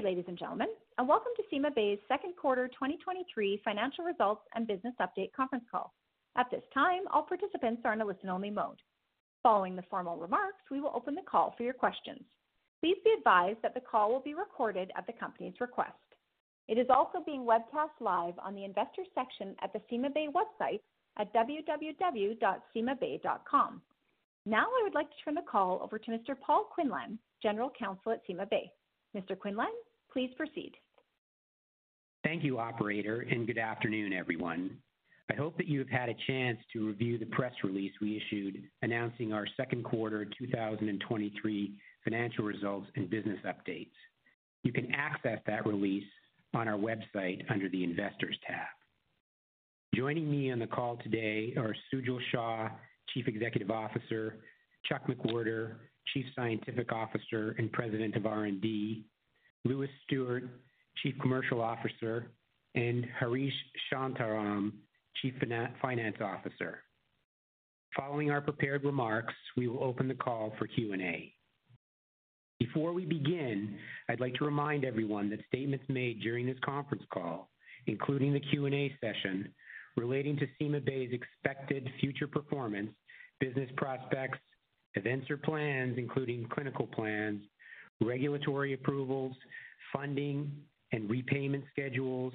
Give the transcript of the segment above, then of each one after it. Good day, ladies and gentlemen, and welcome to CymaBay's second quarter 2023 financial results and business update conference call. At this time, all participants are in a listen-only mode. Following the formal remarks, we will open the call for your questions. Please be advised that the call will be recorded at the company's request. It is also being webcast live on the Investors section at the CymaBay website at www.cymabay.com. Now, I would like to turn the call over to Mr. Paul Quinlan, General Counsel at CymaBay. Mr. Quinlan, please proceed. Thank you, operator. Good afternoon, everyone. I hope that you have had a chance to review the press release we issued announcing our second quarter 2023 financial results and business updates. You can access that release on our website under the Investors tab. Joining me on the call today are Sujal Shah, Chief Executive Officer; Chuck McWherter, Chief Scientific Officer and President of R&D; Lewis Stuart, Chief Commercial Officer; and Harish Shantharam, Chief Finance Officer. Following our prepared remarks, we will open the call for Q&A. Before we begin, I'd like to remind everyone that statements made during this conference call, including the Q&A session, relating to CymaBay's expected future performance, business prospects, events or plans, including clinical plans, regulatory approvals, funding and repayment schedules,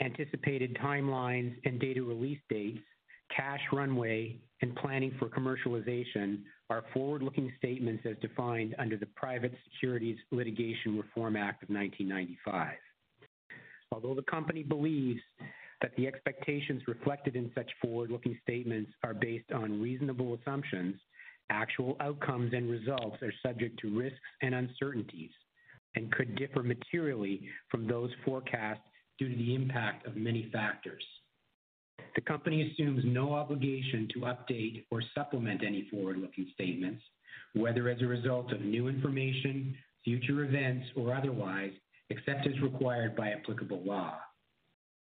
anticipated timelines and data release dates, cash runway, and planning for commercialization, are forward-looking statements as defined under the Private Securities Litigation Reform Act of 1995. Although the company believes that the expectations reflected in such forward-looking statements are based on reasonable assumptions, actual outcomes and results are subject to risks and uncertainties and could differ materially from those forecasts due to the impact of many factors. The company assumes no obligation to update or supplement any forward-looking statements, whether as a result of new information, future events, or otherwise, except as required by applicable law.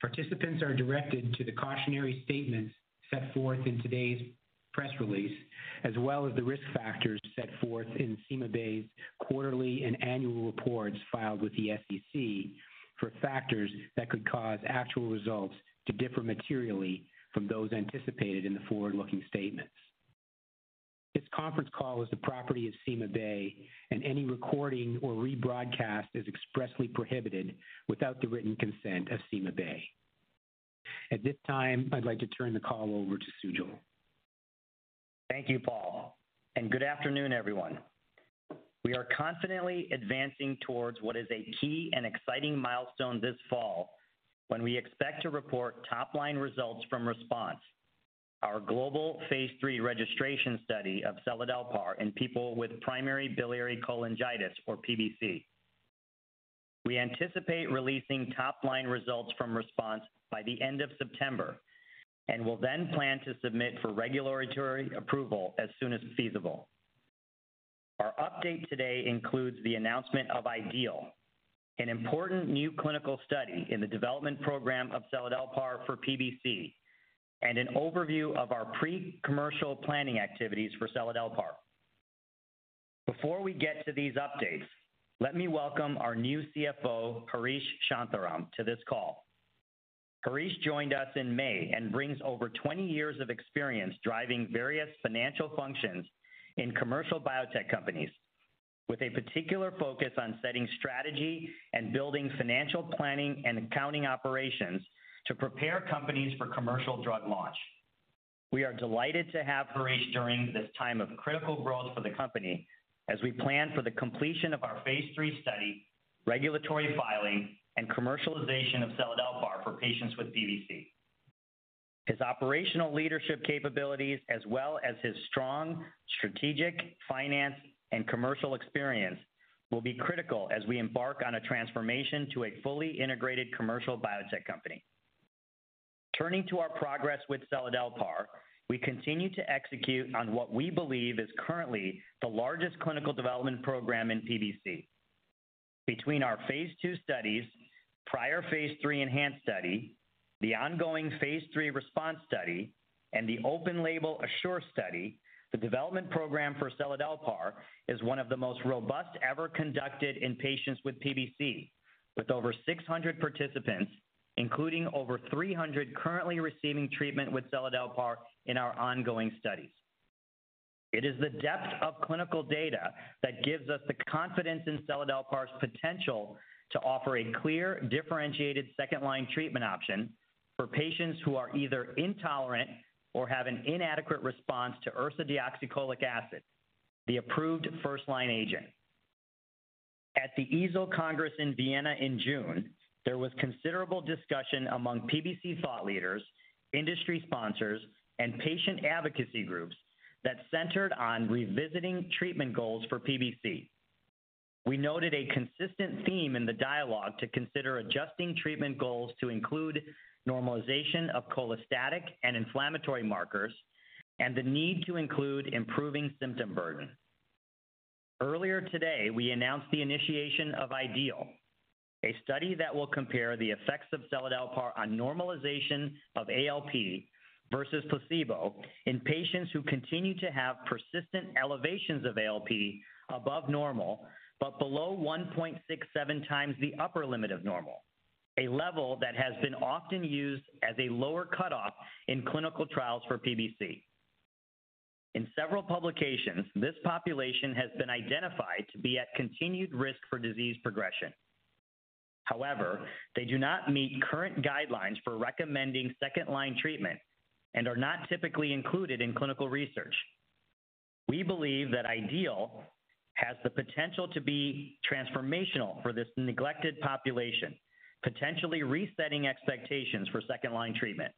Participants are directed to the cautionary statements set forth in today's press release, as well as the risk factors set forth in CymaBay's quarterly and annual reports filed with the SEC for factors that could cause actual results to differ materially from those anticipated in the forward-looking statements. This conference call is the property of CymaBay, and any recording or rebroadcast is expressly prohibited without the written consent of CymaBay. At this time, I'd like to turn the call over to Sujal. Thank you, Paul. Good afternoon, everyone. We are confidently advancing towards what is a key and exciting milestone this fall, when we expect to report top-line results from RESPONSE, our global phase III registration study of seladelpar in people with primary biliary cholangitis, or PBC. We anticipate releasing top-line results from RESPONSE by the end of September and will then plan to submit for regulatory approval as soon as feasible. Our update today includes the announcement of IDEAL, an important new clinical study in the development program of seladelpar for PBC, and an overview of our pre-commercial planning activities for seladelpar. Before we get to these updates, let me welcome our new CFO, Harish Shantharam, to this call. Harish joined us in May and brings over 20 years of experience driving various financial functions in commercial biotech companies, with a particular focus on setting strategy and building financial planning and accounting operations to prepare companies for commercial drug launch. We are delighted to have Harish during this time of critical growth for the company as we plan for the completion of our phase III study, regulatory filing, and commercialization of seladelpar for patients with PBC. His operational leadership capabilities, as well as his strong strategic, finance, and commercial experience, will be critical as we embark on a transformation to a fully integrated commercial biotech company. Turning to our progress with seladelpar, we continue to execute on what we believe is currently the largest clinical development program in PBC. Between our phase II studies, prior phase III ENHANCE study, the ongoing phase III RESPONSE study, and the open label ASSURE study, the development program for seladelpar is one of the most robust ever conducted in patients with PBC, with over 600 participants, including over 300 currently receiving treatment with seladelpar in our ongoing studies. It is the depth of clinical data that gives us the confidence in seladelpar's potential to offer a clear, differentiated second-line treatment option for patients who are either intolerant or have an inadequate response to ursodeoxycholic acid, the approved first-line agent. At the EASL Congress in Vienna in June, there was considerable discussion among PBC thought leaders, industry sponsors, and patient advocacy groups that centered on revisiting treatment goals for PBC. We noted a consistent theme in the dialogue to consider adjusting treatment goals to include normalization of cholestatic and inflammatory markers and the need to include improving symptom burden. Earlier today, we announced the initiation of IDEAL, a study that will compare the effects of seladelpar on normalization of ALP versus placebo in patients who continue to have persistent elevations of ALP above normal, but below 1.67x the upper limit of normal, a level that has been often used as a lower cutoff in clinical trials for PBC. In several publications, this population has been identified to be at continued risk for disease progression. However, they do not meet current guidelines for recommending second-line treatment and are not typically included in clinical research. We believe that IDEAL has the potential to be transformational for this neglected population, potentially resetting expectations for second-line treatment.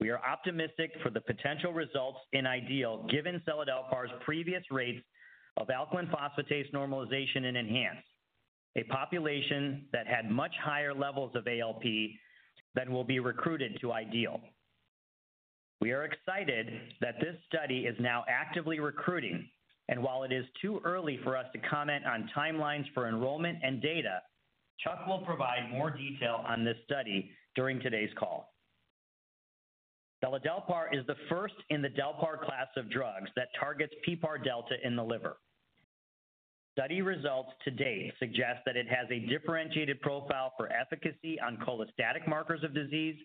We are optimistic for the potential results in IDEAL, given seladelpar's previous rates of alkaline phosphatase normalization in ENHANCE, a population that had much higher levels of ALP than will be recruited to IDEAL. We are excited that this study is now actively recruiting, and while it is too early for us to comment on timelines for enrollment and data, Chuck will provide more detail on this study during today's call. Seladelpar is the first in the delpar class of drugs that targets PPAR-delta in the liver. Study results to date suggest that it has a differentiated profile for efficacy on cholestatic markers of disease,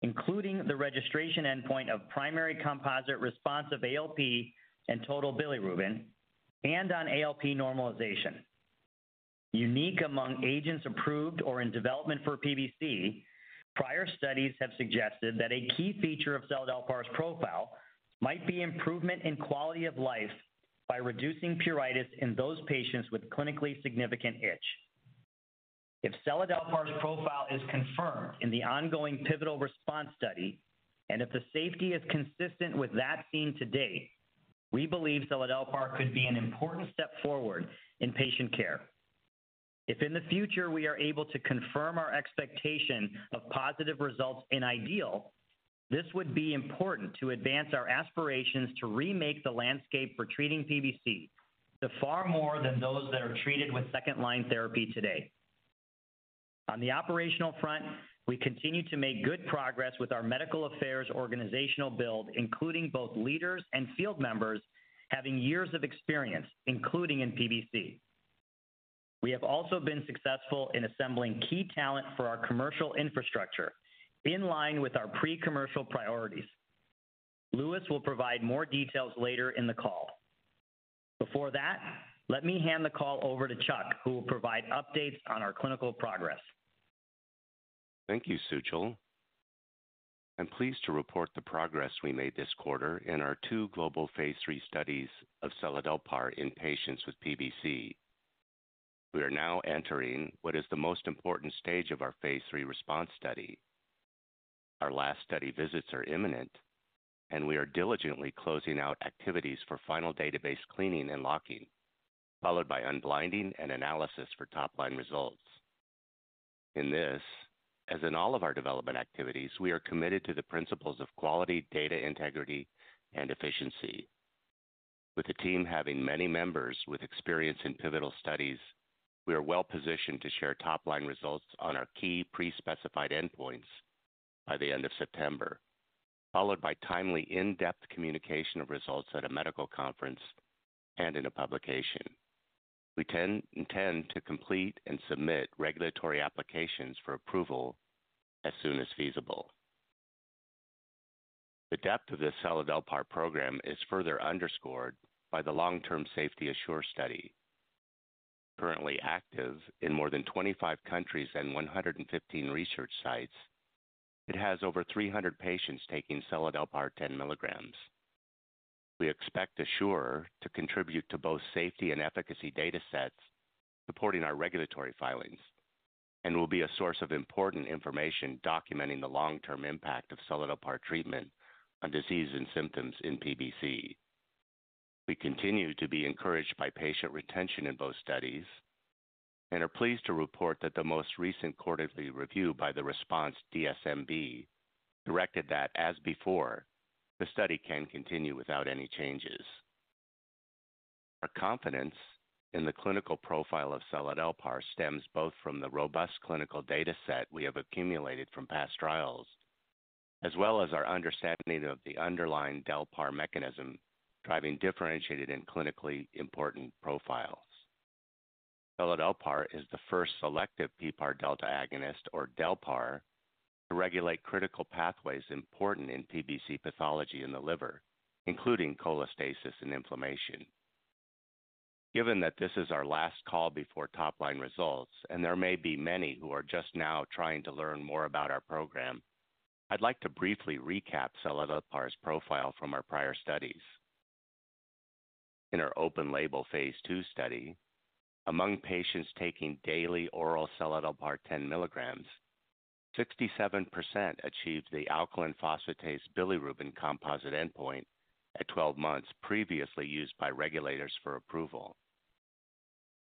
including the registration endpoint of primary composite response of ALP and total bilirubin, and on ALP normalization. Unique among agents approved or in development for PBC, prior studies have suggested that a key feature of seladelpar's profile might be improvement in quality of life by reducing pruritus in those patients with clinically significant itch. If seladelpar's profile is confirmed in the ongoing pivotal RESPONSE study, and if the safety is consistent with that seen to date, we believe seladelpar could be an important step forward in patient care. If in the future we are able to confirm our expectation of positive results in IDEAL, this would be important to advance our aspirations to remake the landscape for treating PBC to far more than those that are treated with second-line therapy today. On the operational front, we continue to make good progress with our medical affairs organizational build, including both leaders and field members having years of experience, including in PBC. We have also been successful in assembling key talent for our commercial infrastructure in line with our pre-commercial priorities. Lewis will provide more details later in the call. Before that, let me hand the call over to Chuck, who will provide updates on our clinical progress. Thank you, Sujal. I'm pleased to report the progress we made this quarter in our two global phase III studies of seladelpar in patients with PBC. We are now entering what is the most important stage of our phase III RESPONSE study. Our last study visits are imminent, and we are diligently closing out activities for final database cleaning and locking, followed by unblinding and analysis for top-line results. In this, as in all of our development activities, we are committed to the principles of quality, data, integrity, and efficiency. With the team having many members with experience in pivotal studies, we are well positioned to share top-line results on our key pre-specified endpoints by the end of September, followed by timely, in-depth communication of results at a medical conference and in a publication. We intend to complete and submit regulatory applications for approval as soon as feasible. The depth of the seladelpar program is further underscored by the long-term safety ASSURE study. Currently active in more than 25 countries and 115 research sites, it has over 300 patients taking seladelpar 10 mg. We expect ASSURE to contribute to both safety and efficacy data sets supporting our regulatory filings and will be a source of important information documenting the long-term impact of seladelpar treatment on disease and symptoms in PBC. We continue to be encouraged by patient retention in both studies and are pleased to report that the most recent quarterly review by the RESPONSE DSMB directed that, as before, the study can continue without any changes. Our confidence in the clinical profile of seladelpar stems both from the robust clinical data set we have accumulated from past trials, as well as our understanding of the underlying delpar mechanism driving differentiated and clinically important profiles. Seladelpar is the first selective PPAR-delta agonist or delpar, to regulate critical pathways important in PBC pathology in the liver, including cholestasis and inflammation. Given that this is our last call before top-line results, and there may be many who are just now trying to learn more about our program, I'd like to briefly recap seladelpar's profile from our prior studies. In our open-label phase II study, among patients taking daily oral seladelpar 10 mg, 67% achieved the alkaline phosphatase bilirubin composite endpoint at 12 months previously used by regulators for approval.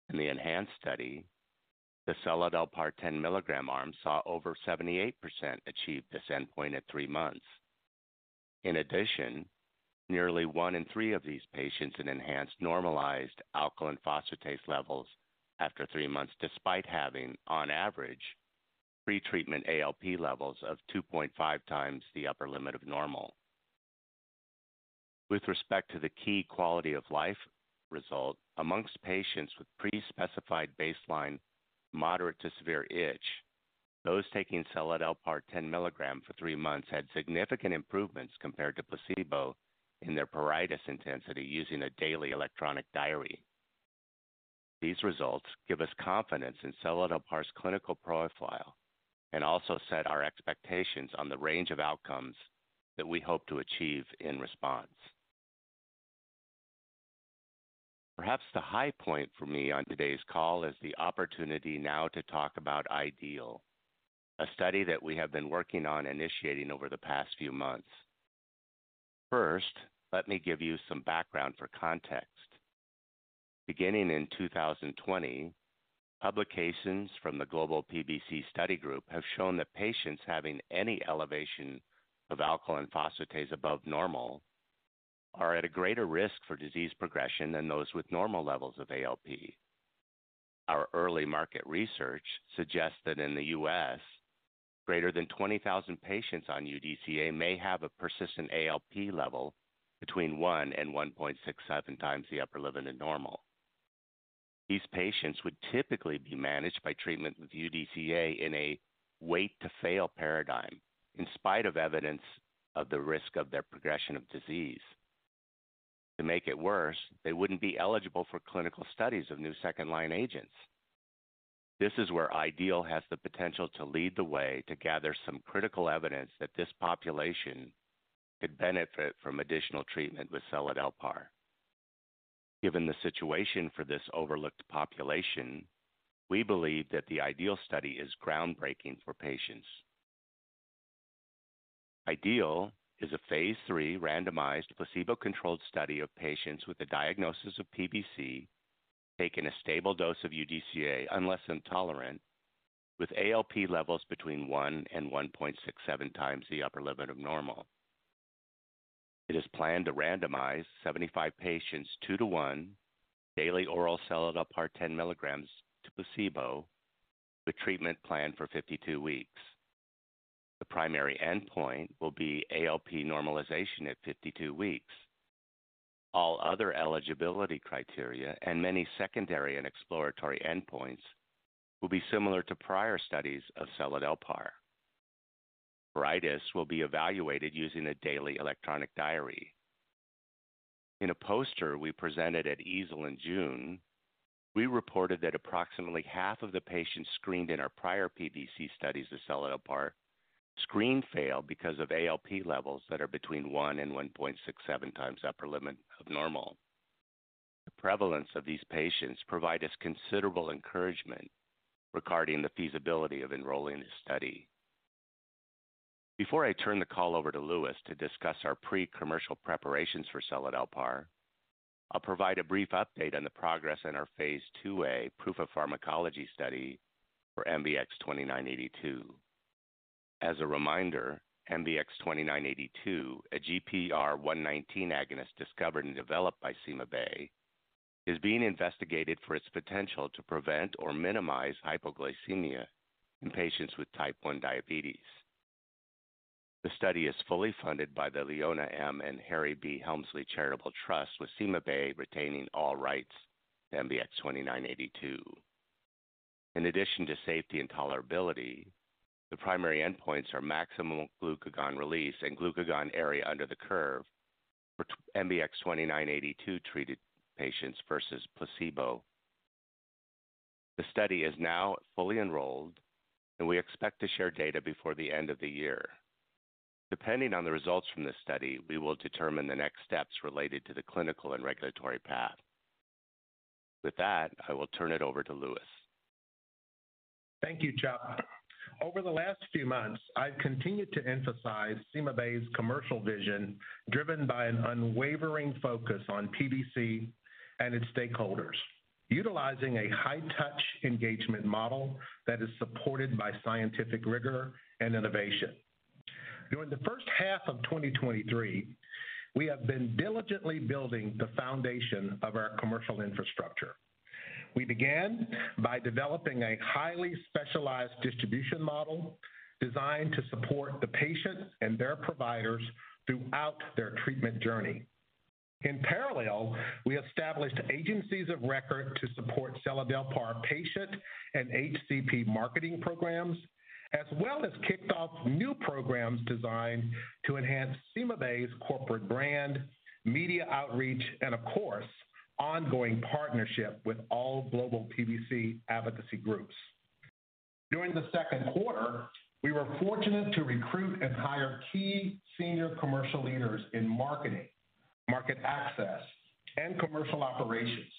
In the ENHANCE study, the seladelpar 10-mg arm saw over 78% achieve this endpoint at three months. In addition, nearly one in three of these patients in ENHANCE normalized alkaline phosphatase levels after three months, despite having, on average, pretreatment ALP levels of 2.5x the upper limit of normal. With respect to the key quality of life result, amongst patients with pre-specified baseline moderate to severe itch, those taking seladelpar 10 mg for three months had significant improvements compared to placebo in their pruritus intensity using a daily electronic diary. These results give us confidence in seladelpar's clinical profile and also set our expectations on the range of outcomes that we hope to achieve in RESPONSE. Perhaps the high point for me on today's call is the opportunity now to talk about IDEAL, a study that we have been working on initiating over the past few months. First, let me give you some background for context. Beginning in 2020, publications from the Global PBC Study Group have shown that patients having any elevation of alkaline phosphatase above normal are at a greater risk for disease progression than those with normal levels of ALP. Our early market research suggests that in the U.S., greater than 20,000 patients on UDCA may have a persistent ALP level between one and 1.67x the upper limit of normal. These patients would typically be managed by treatment with UDCA in a wait-to-fail paradigm, in spite of evidence of the risk of their progression of disease. To make it worse, they wouldn't be eligible for clinical studies of new second-line agents. This is where IDEAL has the potential to lead the way to gather some critical evidence that this population could benefit from additional treatment with seladelpar. Given the situation for this overlooked population, we believe that the IDEAL study is groundbreaking for patients. IDEAL is a phase III randomized, placebo-controlled study of patients with a diagnosis of PBC, taking a stable dose of UDCA, unless intolerant, with ALP levels between one and 1.67x the upper limit of normal. It is planned to randomize 75 patients, two to one, daily oral seladelpar 10 mg to placebo, with treatment planned for 52 weeks. The primary endpoint will be ALP normalization at 52 weeks. All other eligibility criteria and many secondary and exploratory endpoints will be similar to prior studies of seladelpar. Pruritus will be evaluated using a daily electronic diary. In a poster we presented at EASL in June, we reported that approximately half of the patients screened in our prior PBC studies of seladelpar, screen failed because of ALP levels that are between 1 and 1.67x the upper limit of normal. The prevalence of these patients provide us considerable encouragement regarding the feasibility of enrolling this study. Before I turn the call over to Lewis to discuss our pre-commercial preparations for seladelpar, I'll provide a brief update on the progress in our phase IIa proof of pharmacology study for MBX-2982. As a reminder, MBX-2982, a GPR119 agonist discovered and developed by CymaBay, is being investigated for its potential to prevent or minimize hypoglycemia in patients with Type 1 diabetes. The study is fully funded by The Leona M. and Harry B. Helmsley Charitable Trust, with CymaBay retaining all rights to MBX-2982. In addition to safety and tolerability, the primary endpoints are maximal glucagon release and glucagon area under the curve for MBX-2982-treated patients versus placebo. The study is now fully enrolled, and we expect to share data before the end of the year. Depending on the results from this study, we will determine the next steps related to the clinical and regulatory path. With that, I will turn it over to Lewis. Thank you, Chuck. Over the last few months, I've continued to emphasize CymaBay's commercial vision, driven by an unwavering focus on PBC and its stakeholders, utilizing a high-touch engagement model that is supported by scientific rigor and innovation. During the first half of 2023, we have been diligently building the foundation of our commercial infrastructure. We began by developing a highly specialized distribution model designed to support the patients and their providers throughout their treatment journey. In parallel, we established agencies of record to support seladelpar patient and HCP marketing programs, as well as kicked off new programs designed to enhance CymaBay's corporate brand, media outreach, and of course, ongoing partnership with all global PBC advocacy groups. During the second quarter, we were fortunate to recruit and hire key senior commercial leaders in marketing, market access, and commercial operations,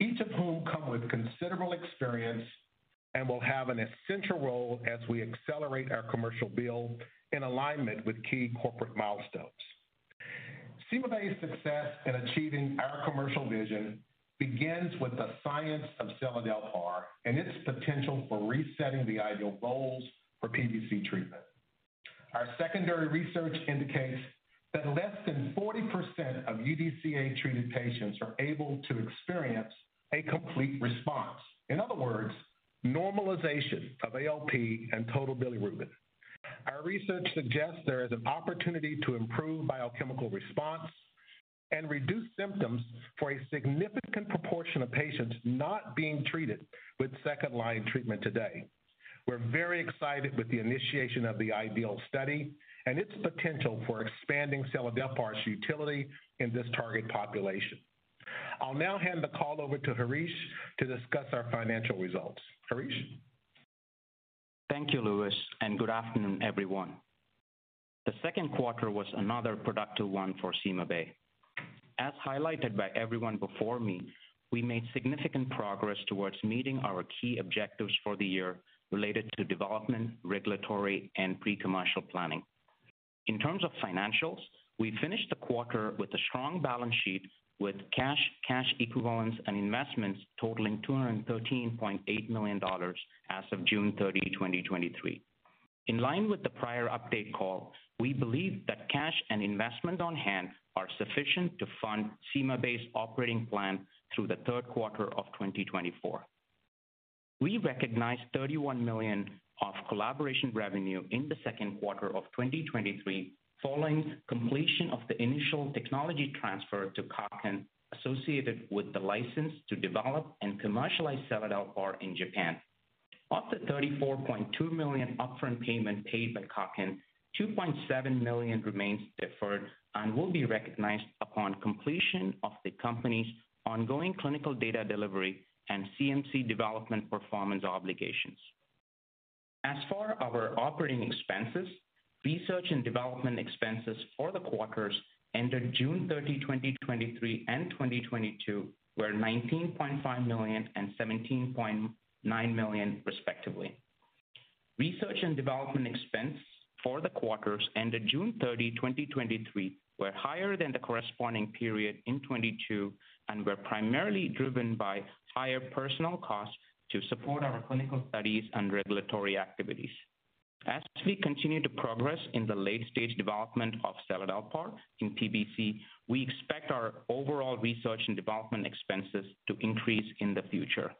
each of whom come with considerable experience and will have an essential role as we accelerate our commercial build in alignment with key corporate milestones. CymaBay's success in achieving our commercial vision begins with the science of seladelpar and its potential for resetting the ideal goals for PBC treatment. Our secondary research indicates that less than 40% of UDCA-treated patients are able to experience a complete response. In other words, normalization of ALP and total bilirubin. Our research suggests there is an opportunity to improve biochemical response and reduce symptoms for a significant proportion of patients not being treated with second-line treatment today. We're very excited with the initiation of the IDEAL study and its potential for expanding seladelpar's utility in this target population. I'll now hand the call over to Harish to discuss our financial results. Harish? Thank you, Lewis, and good afternoon, everyone. The second quarter was another productive one for CymaBay. As highlighted by everyone before me, we made significant progress towards meeting our key objectives for the year related to development, regulatory, and pre-commercial planning. In terms of financials, we finished the quarter with a strong balance sheet, with cash equivalents, and investments totaling $213.8 million as of June 30, 2023. In line with the prior update call, we believe that cash and investment on hand are sufficient to fund CymaBay's operating plan through the third quarter of 2024. We recognized $31 million of collaboration revenue in the second quarter of 2023, following completion of the initial technology transfer to Kaken associated with the license to develop and commercialize seladelpar in Japan. Of the $34.2 million upfront payment paid by Kaken, $2.7 million remains deferred and will be recognized upon completion of the company's ongoing clinical data delivery and CMC development performance obligations. For our operating expenses, research and development expenses for the quarters ended June 30, 2023, and 2022 were $19.5 million and $17.9 million, respectively. Research and development expense for the quarters ended June 30, 2023, were higher than the corresponding period in 2022 and were primarily driven by higher personal costs to support our clinical studies and regulatory activities. We continue to progress in the late-stage development of seladelpar in PBC, we expect our overall research and development expenses to increase in the future.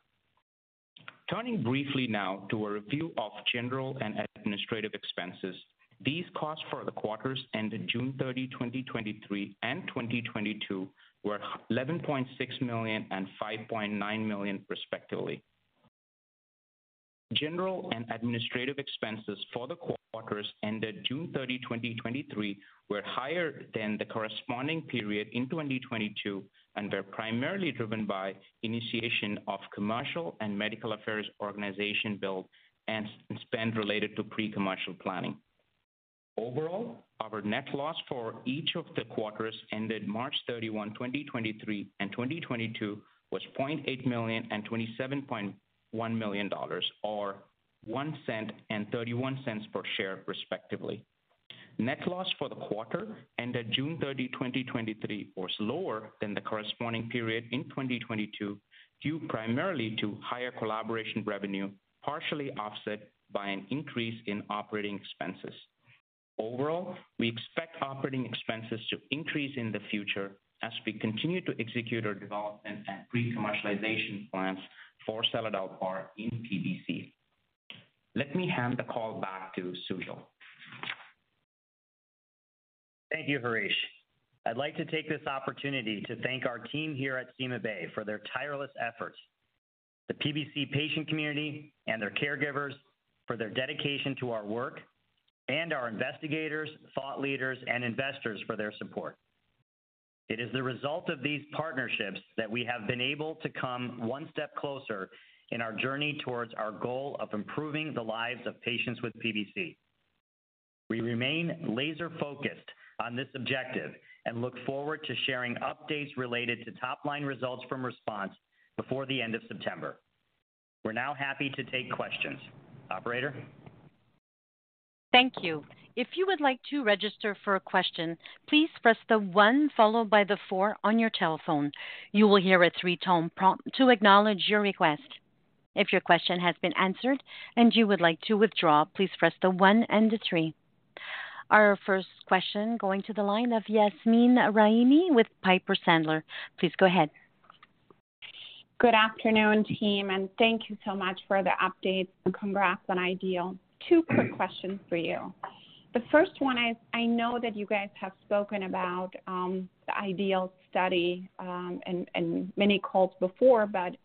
Turning briefly now to a review of general and administrative expenses. These costs for the quarters ended June 30, 2023, and 2022 were $11.6 million and $5.9 million, respectively. General and administrative expenses for the quarters ended June 30, 2023, were higher than the corresponding period in 2022 and were primarily driven by initiation of commercial and medical affairs organization build and spend related to pre-commercial planning. Overall, our net loss for each of the quarters ended March 31, 2023, and 2022, was $0.8 million and $27.1 million, or $0.01 and $0.31 per share, respectively. Net loss for the quarter ended June 30, 2023, was lower than the corresponding period in 2022, due primarily to higher collaboration revenue, partially offset by an increase in OpEx. Overall, we expect operating expenses to increase in the future as we continue to execute our development and pre-commercialization plans for seladelpar in PBC. Let me hand the call back to Sujal. Thank you, Harish. I'd like to take this opportunity to thank our team here at CymaBay for their tireless efforts, the PBC patient community and their caregivers for their dedication to our work, and our investigators, thought leaders, and investors for their support. It is the result of these partnerships that we have been able to come one step closer in our journey towards our goal of improving the lives of patients with PBC. We remain laser-focused on this objective and look forward to sharing updates related to top-line results from RESPONSE before the end of September. We're now happy to take questions. Operator? Thank you. If you would like to register for a question, please press one followed by four on your telephone. You will hear a three-tone prompt to acknowledge your request. If your question has been answered and you would like to withdraw, please press one and three. Our first question going to the line of Yasmeen Rahimi with Piper Sandler. Please go ahead. Good afternoon, team, and thank you so much for the updates and congrats on IDEAL. Two quick questions for you. The first one is, I know that you guys have spoken about, the IDEAL study, in many calls before, but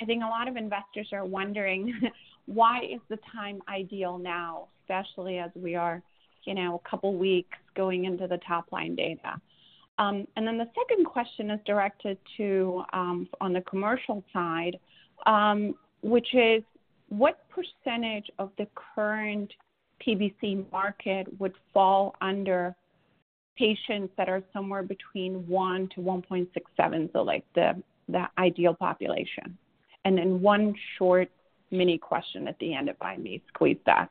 I think a lot of investors are wondering why is the time ideal now, especially as we are, you know, a couple weeks going into the top-line data? The second question is directed to, on the commercial side, which is, what percentage of the current PBC market would fall under patients that are somewhere between one to 1.67, so like the IDEAL population? One short mini question at the end, if I may squeeze that.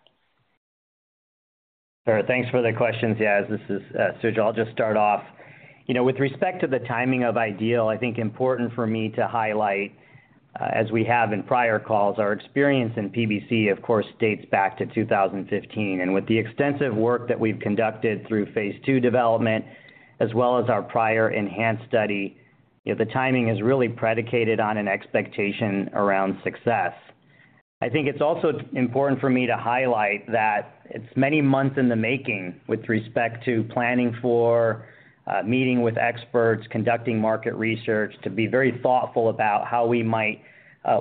Sure, thanks for the questions. Yeah, this is Sujal. I'll just start off. You know, with respect to the timing of IDEAL, I think important for me to highlight, as we have in prior calls, our experience in PBC, of course, dates back to 2015. With the extensive work that we've conducted through phase II development as well as our prior ENHANCE study, the timing is really predicated on an expectation around success. I think it's also important for me to highlight that it's many months in the making with respect to planning for meeting with experts, conducting market research, to be very thoughtful about how we might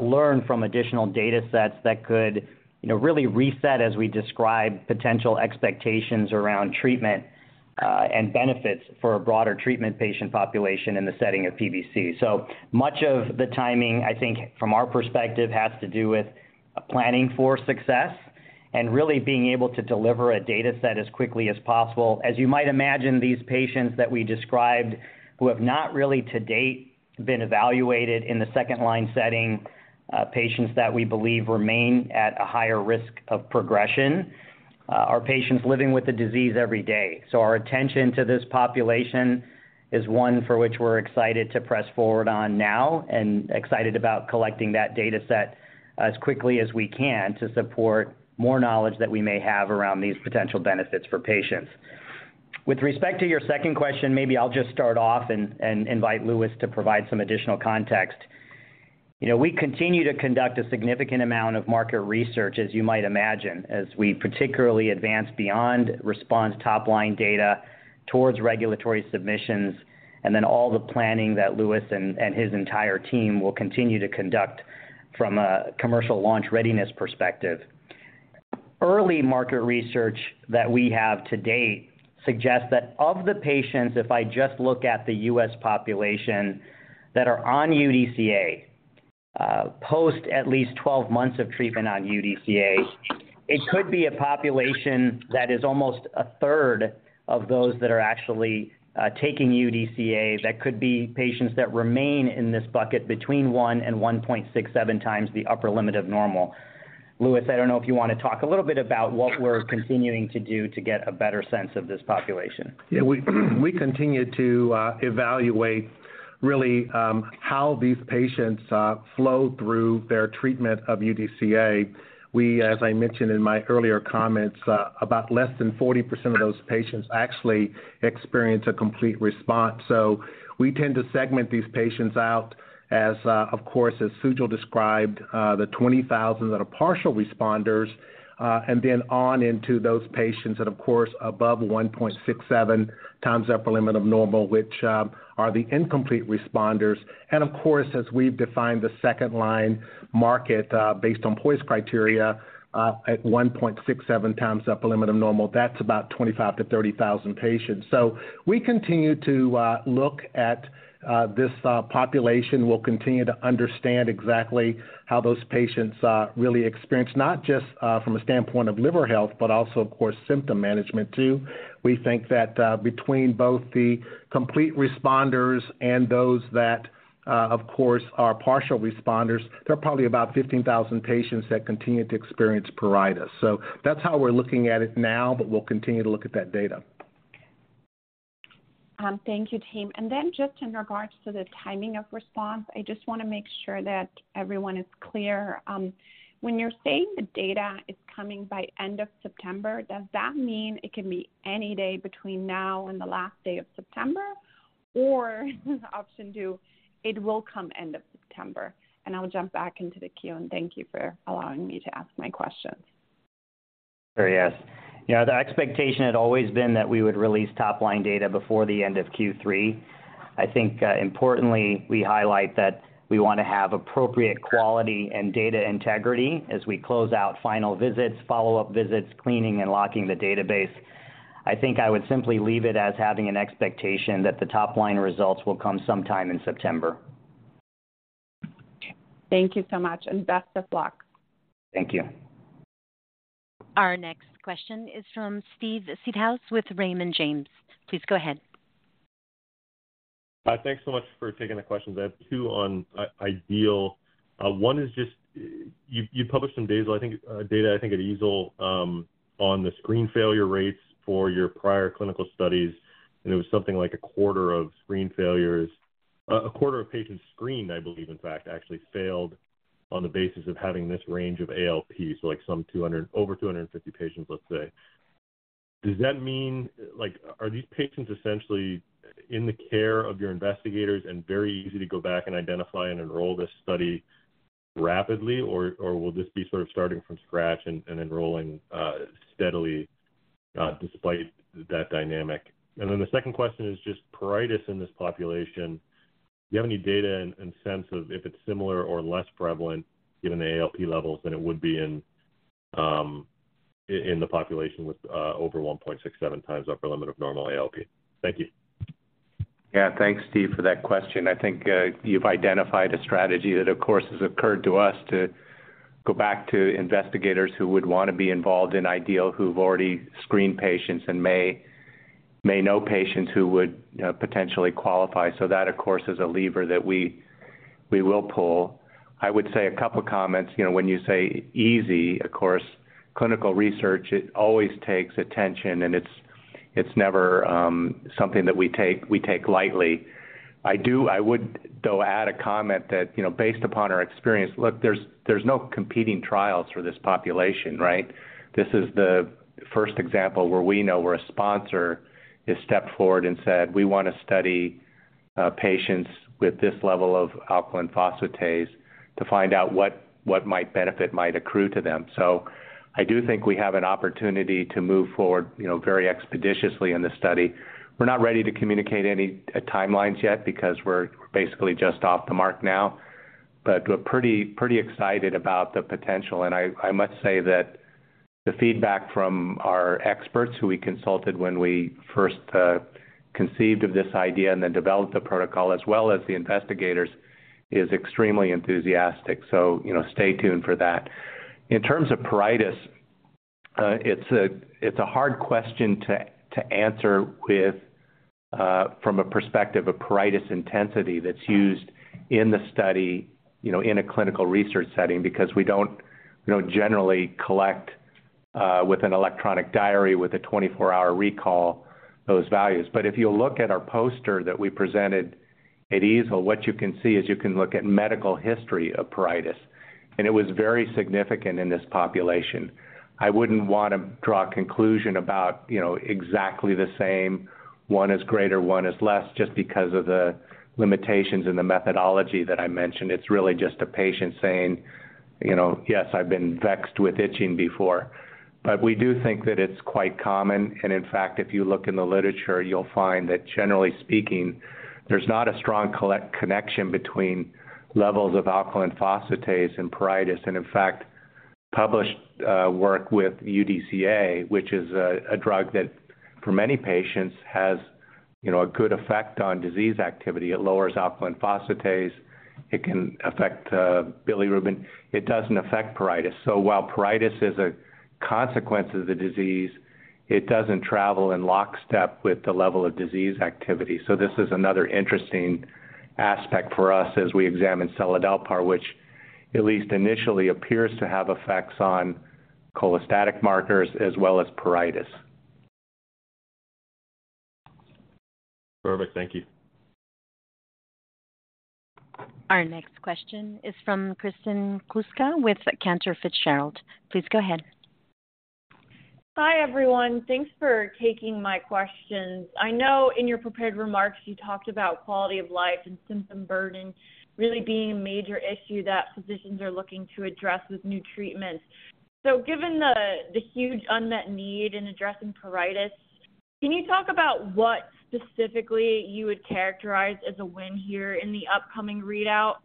learn from additional data sets that could, you know, really reset as we describe potential expectations around treatment and benefits for a broader treatment patient population in the setting of PBC. Much of the timing, I think, from our perspective, has to do with planning for success and really being able to deliver a data set as quickly as possible. As you might imagine, these patients that we described, who have not really to date, been evaluated in the second line setting, patients that we believe remain at a higher risk of progression, are patients living with the disease every day. Our attention to this population is one for which we're excited to press forward on now and excited about collecting that data set as quickly as we can to support more knowledge that we may have around these potential benefits for patients. With respect to your second question, maybe I'll just start off and, and invite Lewis to provide some additional context. You know, we continue to conduct a significant amount of market research, as you might imagine, as we particularly advance beyond RESPONSE top-line data towards regulatory submissions, and then all the planning that Lewis and his entire team will continue to conduct from a commercial launch readiness perspective. Early market research that we have to date suggests that of the patients, if I just look at the U.S. population that are on UDCA, post at least 12 months of treatment on UDCA, it could be a population that is almost a third of those that are actually taking UDCA. That could be patients that remain in this bucket between one and 1.67x the upper limit of normal. Lewis, I don't know if you want to talk a little bit about what we're continuing to do to get a better sense of this population. Yeah, we continue to evaluate really how these patients flow through their treatment of UDCA. We, as I mentioned in my earlier comments, about less than 40% of those patients actually experience a complete response. We tend to segment these patients out as, of course, as Sujal described, the 20,000 that are partial responders, and then on into those patients that, of course, above 1.67x upper limit of normal, which are the incomplete responders. Of course, as we've defined the second line market, based on POISE criteria, at 1.67x upper limit of normal, that's about 25,000-30,000 patients. We continue to look at this population. We'll continue to understand exactly how those patients really experience, not just from a standpoint of liver health, but also, of course, symptom management too. We think that, between both the complete responders and those that, of course, are partial responders, there are probably about 15,000 patients that continue to experience pruritus. That's how we're looking at it now, but we'll continue to look at that data. Thank you, team. Then just in regards to the timing of response, I just want to make sure that everyone is clear. When you're saying the data is coming by end of September, does that mean it can be any day between now and the last day of September, or option two, it will come end of September? I'll jump back into the queue, and thank you for allowing me to ask my questions. Sure, yes. The expectation had always been that we would release top-line data before the end of Q3. I think, importantly, we highlight that we want to have appropriate quality and data integrity as we close out final visits, follow-up visits, cleaning and locking the database. I think I would simply leave it as having an expectation that the top-line results will come sometime in September. Thank you so much, and best of luck. Thank you. Our next question is from Steve Seedhouse with Raymond James. Please go ahead. Thanks so much for taking the questions. I have two on IDEAL. One is just, you published some data, I think, data at EASL on the screen failure rates for your prior clinical studies. It was something like a quarter of screen failures. A quarter of patients screened, I believe, in fact, actually failed on the basis of having this range of ALP, so like some 200-- over 250 patients, let's say. Does that mean, are these patients essentially in the care of your investigators and very easy to go back and identify and enroll this study rapidly, or will this be sort of starting from scratch and enrolling steadily despite that dynamic? Then the second question is just pruritus in this population. Do you have any data and, and sense of if it's similar or less prevalent given the ALP levels than it would be in the population with over 1.67x upper limit of normal ALP? Thank you. Thanks, Steve, for that question. I think you've identified a strategy that, of course, has occurred to us to go back to investigators who would want to be involved in IDEAL, who've already screened patients and may know patients who would potentially qualify. That, of course, is a lever that we will pull. I would say two comments, when you say easy, of course, clinical research, it always takes attention, and it's never something that we take, we take lightly. I would, though, add a comment that, you know, based upon our experience, look, there's no competing trials for this population, right? This is the first example where we know where a sponsor has stepped forward and said, "We want to study patients with this level of alkaline phosphatase to find out what might benefit might accrue to them." I do think we have an opportunity to move forward, you know, very expeditiously in the study. We're not ready to communicate any timelines yet because we're basically just off the mark now, but we're pretty, pretty excited about the potential. I must say that the feedback from our experts, who we consulted when we first conceived of this idea and then developed the protocol, as well as the investigators, is extremely enthusiastic. You know, stay tuned for that. In terms of pruritus, it's a hard question to, to answer with, from a perspective of pruritus intensity that's used in the study, you know, in a clinical research setting, because we don't, you know, generally collect with an electronic diary with a 24-hour recall those values. If you look at our poster that we presented at EASL, what you can see is you can look at medical history of pruritus, and it was very significant in this population. I wouldn't want to draw a conclusion about, you know, exactly the same, one is greater, one is less, just because of the limitations in the methodology that I mentioned. It's really just a patient saying, you know, "Yes, I've been vexed with itching before." We do think that it's quite common. In fact, if you look in the literature, you'll find that generally speaking, there's not a strong connection between levels of alkaline phosphatase and pruritus, and in fact, published work with UDCA, which is a drug that for many patients has, you know, a good effect on disease activity. It lowers alkaline phosphatase. It can affect bilirubin. It doesn't affect pruritus. While pruritus is a consequence of the disease, it doesn't travel in lockstep with the level of disease activity. This is another interesting aspect for us as we examine seladelpar, which at least initially appears to have effects on cholestatic markers as well as pruritus. Perfect. Thank you. Our next question is from Kristen Kluska with Cantor Fitzgerald. Please go ahead. Hi, everyone. Thanks for taking my questions. I know in your prepared remarks, you talked about quality of life and symptom burden really being a major issue that physicians are looking to address with new treatments. Given the huge unmet need in addressing pruritus, can you talk about what specifically you would characterize as a win here in the upcoming readout?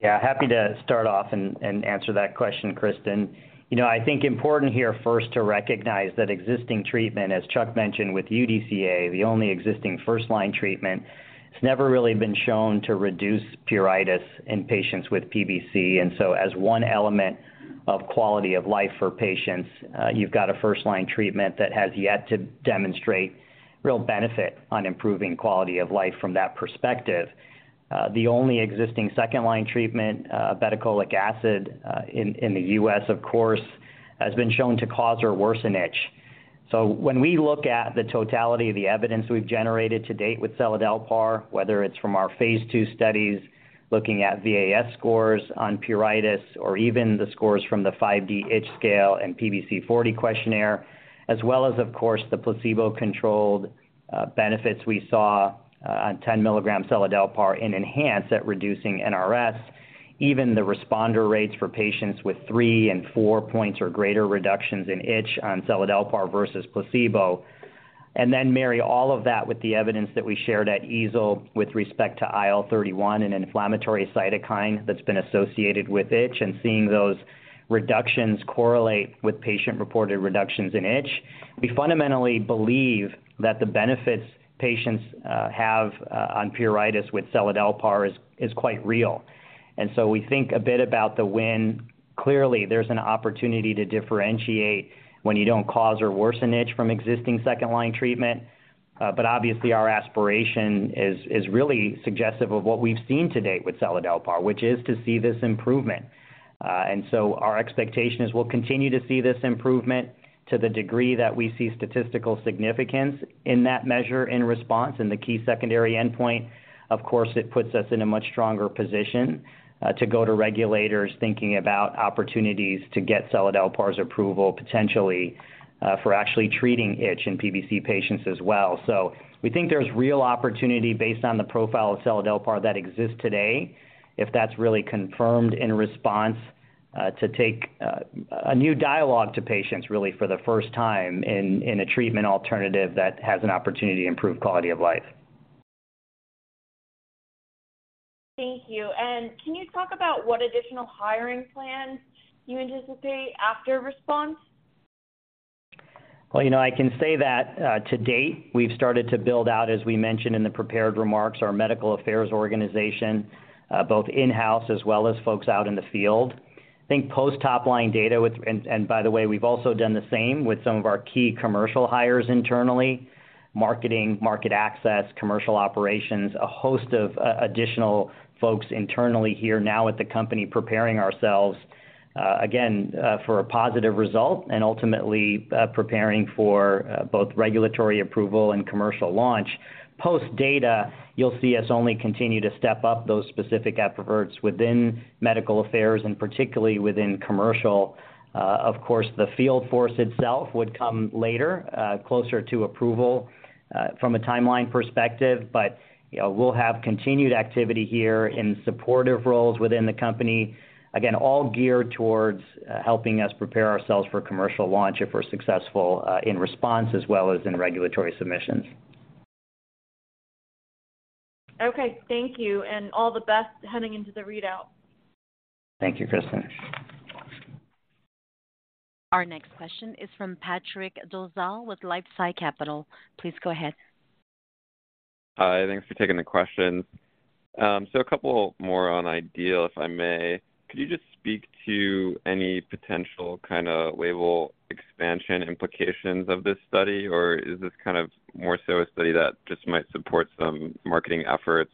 Yeah, happy to start off and answer that question, Kristin. You know, I think important here first to recognize that existing treatment, as Chuck mentioned, with UDCA, the only existing first-line treatment, it's never really been shown to reduce pruritus in patients with PBC. So as one element of quality of life for patients, you've got a first-line treatment that has yet to demonstrate real benefit on improving quality of life from that perspective. The only existing second-line treatment, bile acid, in the U.S., of course, has been shown to cause or worsen itch. When we look at the totality of the evidence we've generated to date with seladelpar, whether it's from our phase II studies, looking at VAS scores on pruritus or even the scores from the 5D itch scale and PBC-40 questionnaire, as well as, of course, the placebo-controlled benefits we saw on 10 mg seladelpar in ENHANCE at reducing NRS, even the responder rates for patients with three and four points or greater reductions in itch on seladelpar versus placebo. Marry all of that with the evidence that we shared at EASL with respect to IL-31, an inflammatory cytokine that's been associated with itch, and seeing those reductions correlate with patient-reported reductions in itch. We fundamentally believe that the benefits patients have on pruritus with seladelpar is, is quite real. We think a bit about the win. Clearly, there's an opportunity to differentiate when you don't cause or worsen itch from existing second-line treatment. Obviously, our aspiration is really suggestive of what we've seen to date with seladelpar, which is to see this improvement. Our expectation is we'll continue to see this improvement to the degree that we see statistical significance in that measure in response in the key secondary endpoint. Of course, it puts us in a much stronger position to go to regulators thinking about opportunities to get seladelpar's approval, potentially, for actually treating itch in PBC patients as well. We think there's real opportunity based on the profile of seladelpar that exists today, if that's really confirmed in RESPONSE to take a new dialogue to patients really for the first time in a treatment alternative that has an opportunity to improve quality of life. Thank you. Can you talk about what additional hiring plans you anticipate after RESPONSE? Well, you know, I can say that, to date, we've started to build out, as we mentioned in the prepared remarks, our medical affairs organization, both in-house as well as folks out in the field. I think post top line data with, by the way, we've also done the same with some of our key commercial hires internally, marketing, market access, commercial operations, a host of additional folks internally here now at the company, preparing ourselves again for a positive result and ultimately preparing for both regulatory approval and commercial launch. Post data, you'll see us only continue to step up those specific efforts within medical affairs and particularly within commercial. Of course, the field force itself would come later, closer to approval, from a timeline perspective, but, you know, we'll have continued activity here in supportive roles within the company. Again, all geared towards helping us prepare ourselves for commercial launch if we're successful in RESPONSE as well as in regulatory submissions. Okay, thank you and all the best heading into the readout. Thank you, Kristin. Our next question is from Patrick Dolezal with LifeSci Capital. Please go ahead. Hi, thanks for taking the questions. A couple more on IDEAL, if I may. Could you just speak to any potential kind of label expansion implications of this study? Or is this kind of more so a study that just might support some marketing efforts?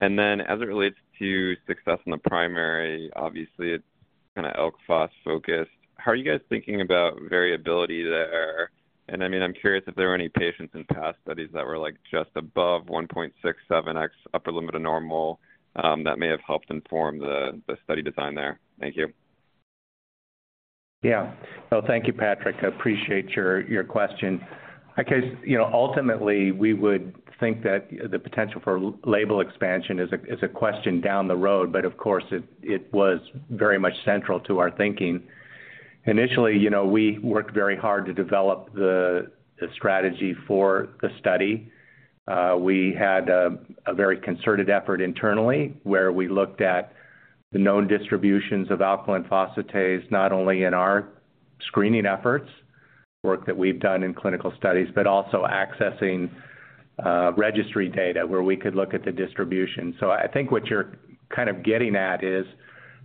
As it relates to success in the primary, obviously, it's kind of Alk Phos focused. How are you guys thinking about variability there? I'm curious if there are any patients in past studies that were, like, just above 1.67x ULN that may have helped inform the study design there. Thank you. Yeah. Well, thank you, Patrick. I appreciate your question. I guess, you know, ultimately, we would think that the potential for label expansion is a question down the road, but of course, it was very much central to our thinking. Initially, you know, we worked very hard to develop the strategy for the study. We had a very concerted effort internally, where we looked at the known distributions of alkaline phosphatase, not only in our screening efforts, work that we've done in clinical studies, but also accessing, registry data where we could look at the distribution. I think what your kind of getting at is,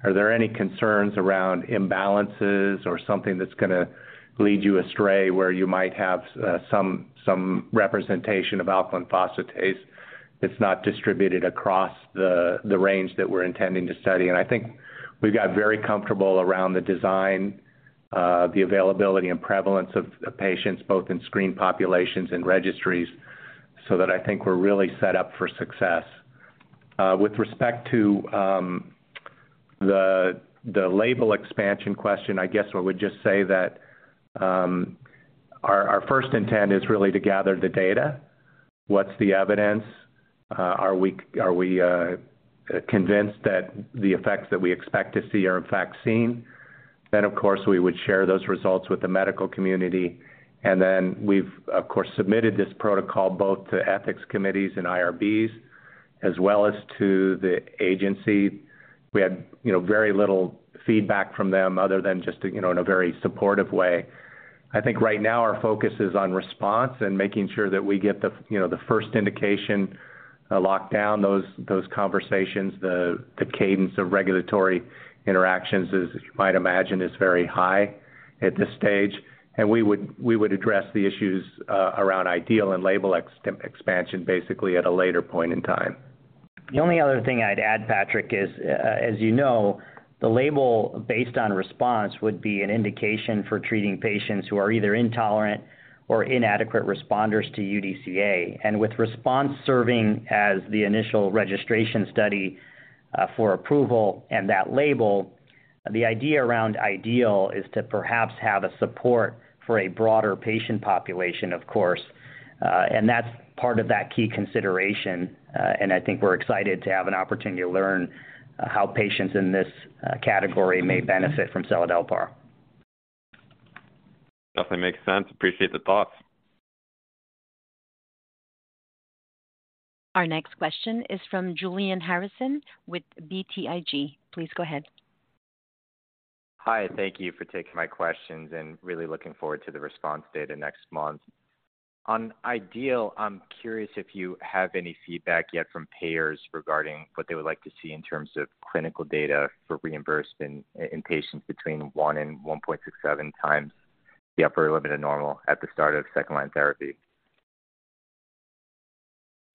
are there any concerns around imbalances or something that's going to lead you astray, where you might have some, some representation of alkaline phosphatase that's not distributed across the range that we're intending to study? I think we've got very comfortable around the design, the availability and prevalence of patients, both in screened populations and registries, so that I think we're really set up for success. With respect to the label expansion question, I guess I would just say that our first intent is really to gather the data. What's the evidence? Are we convinced that the effects that we expect to see are in fact seen? Of course, we would share those results with the medical community, and then we've, of course, submitted this protocol both to ethics committees and IRBs, as well as to the agency. We had, you know, very little feedback from them other than just, you know, in a very supportive way. I think right now our focus is on RESPONSE and making sure that we get the, you know, the first indication, lock down those conversations, the cadence of regulatory interactions, as you might imagine, is very high at this stage. We would, we would address the issues around IDEAL and label expansion basically at a later point in time. The only other thing I'd add, Patrick, is, as you know, the label based on RESPONSE would be an indication for treating patients who are either intolerant or inadequate responders to UDCA. With RESPONSE serving as the initial registration study, for approval and that label, the idea around IDEAL is to perhaps have a support for a broader patient population, of course. That's part of that key consideration, and I think we're excited to have an opportunity to learn how patients in this category may benefit from seladelpar. Definitely makes sense. Appreciate the thoughts. Our next question is from Julian Harrison with BTIG. Please go ahead. Hi, thank you for taking my questions. Really looking forward to the RESPONSE data next month. On IDEAL, I'm curious if you have any feedback yet from payers regarding what they would like to see in terms of clinical data for reimbursement in patients between one and 1.67x the upper limit of normal at the start of second-line therapy.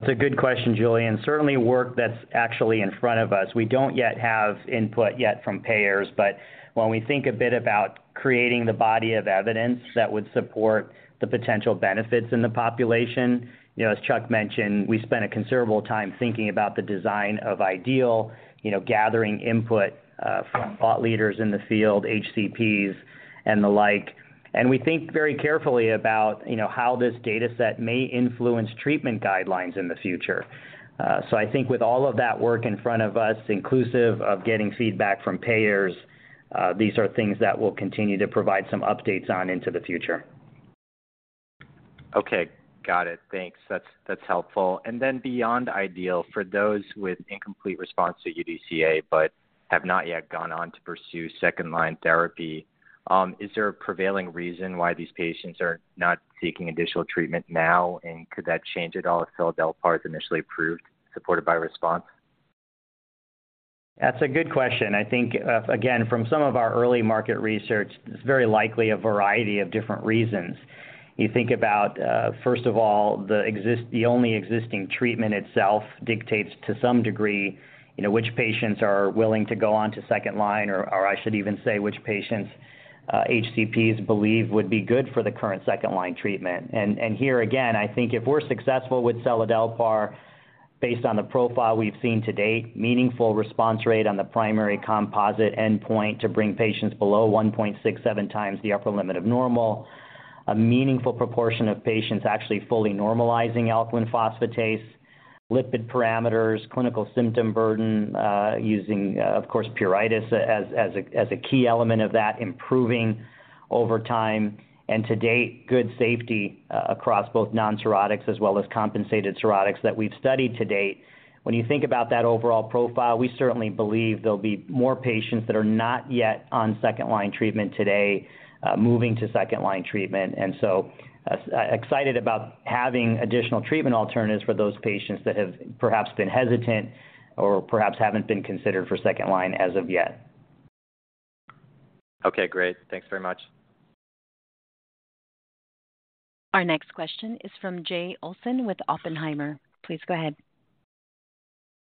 It's a good question, Julian. Certainly work that's actually in front of us. We don't yet have input yet from payers, but when we think a bit about creating the body of evidence that would support the potential benefits in the population, you know, as Chuck mentioned, we spent a considerable time thinking about the design of IDEAL, you know, gathering input from thought leaders in the field, HCPs, and the like. We think very carefully about, you know, how this data set may influence treatment guidelines in the future. I think with all of that work in front of us, inclusive of getting feedback from payers, these are things that we'll continue to provide some updates on into the future. Okay, got it. Thanks. That's helpful. Beyond IDEAL, for those with incomplete response to UDCA, but have not yet gone on to pursue second-line therapy. Is there a prevailing reason why these patients are not seeking additional treatment now, and could that change at all if seladelpar is initially approved, supported by RESPONSE? That's a good question. I think, again, from some of our early market research, it's very likely a variety of different reasons. You think about, first of all, the only existing treatment itself dictates to some degree, you know, which patients are willing to go on to second line or I should even say, which patients, HCPs believe would be good for the current second-line treatment. Here again, I think if we're successful with seladelpar, based on the profile we've seen to date, meaningful response rate on the primary composite endpoint to bring patients below 1.67x the Upper Limit of Normal. A meaningful proportion of patients actually fully normalizing alkaline phosphatase, lipid parameters, clinical symptom burden using, of course, pruritus as a key element of that improving over time. To date, good safety across both non-cirrhotics as well as compensated cirrhotics that we've studied to date. When you think about that overall profile, we certainly believe there'll be more patients that are not yet on second-line treatment today, moving to second-line treatment. Excited about having additional treatment alternatives for those patients that have perhaps been hesitant or perhaps haven't been considered for second line as of yet. Okay, great. Thanks very much. Our next question is from Jay Olson with Oppenheimer. Please go ahead.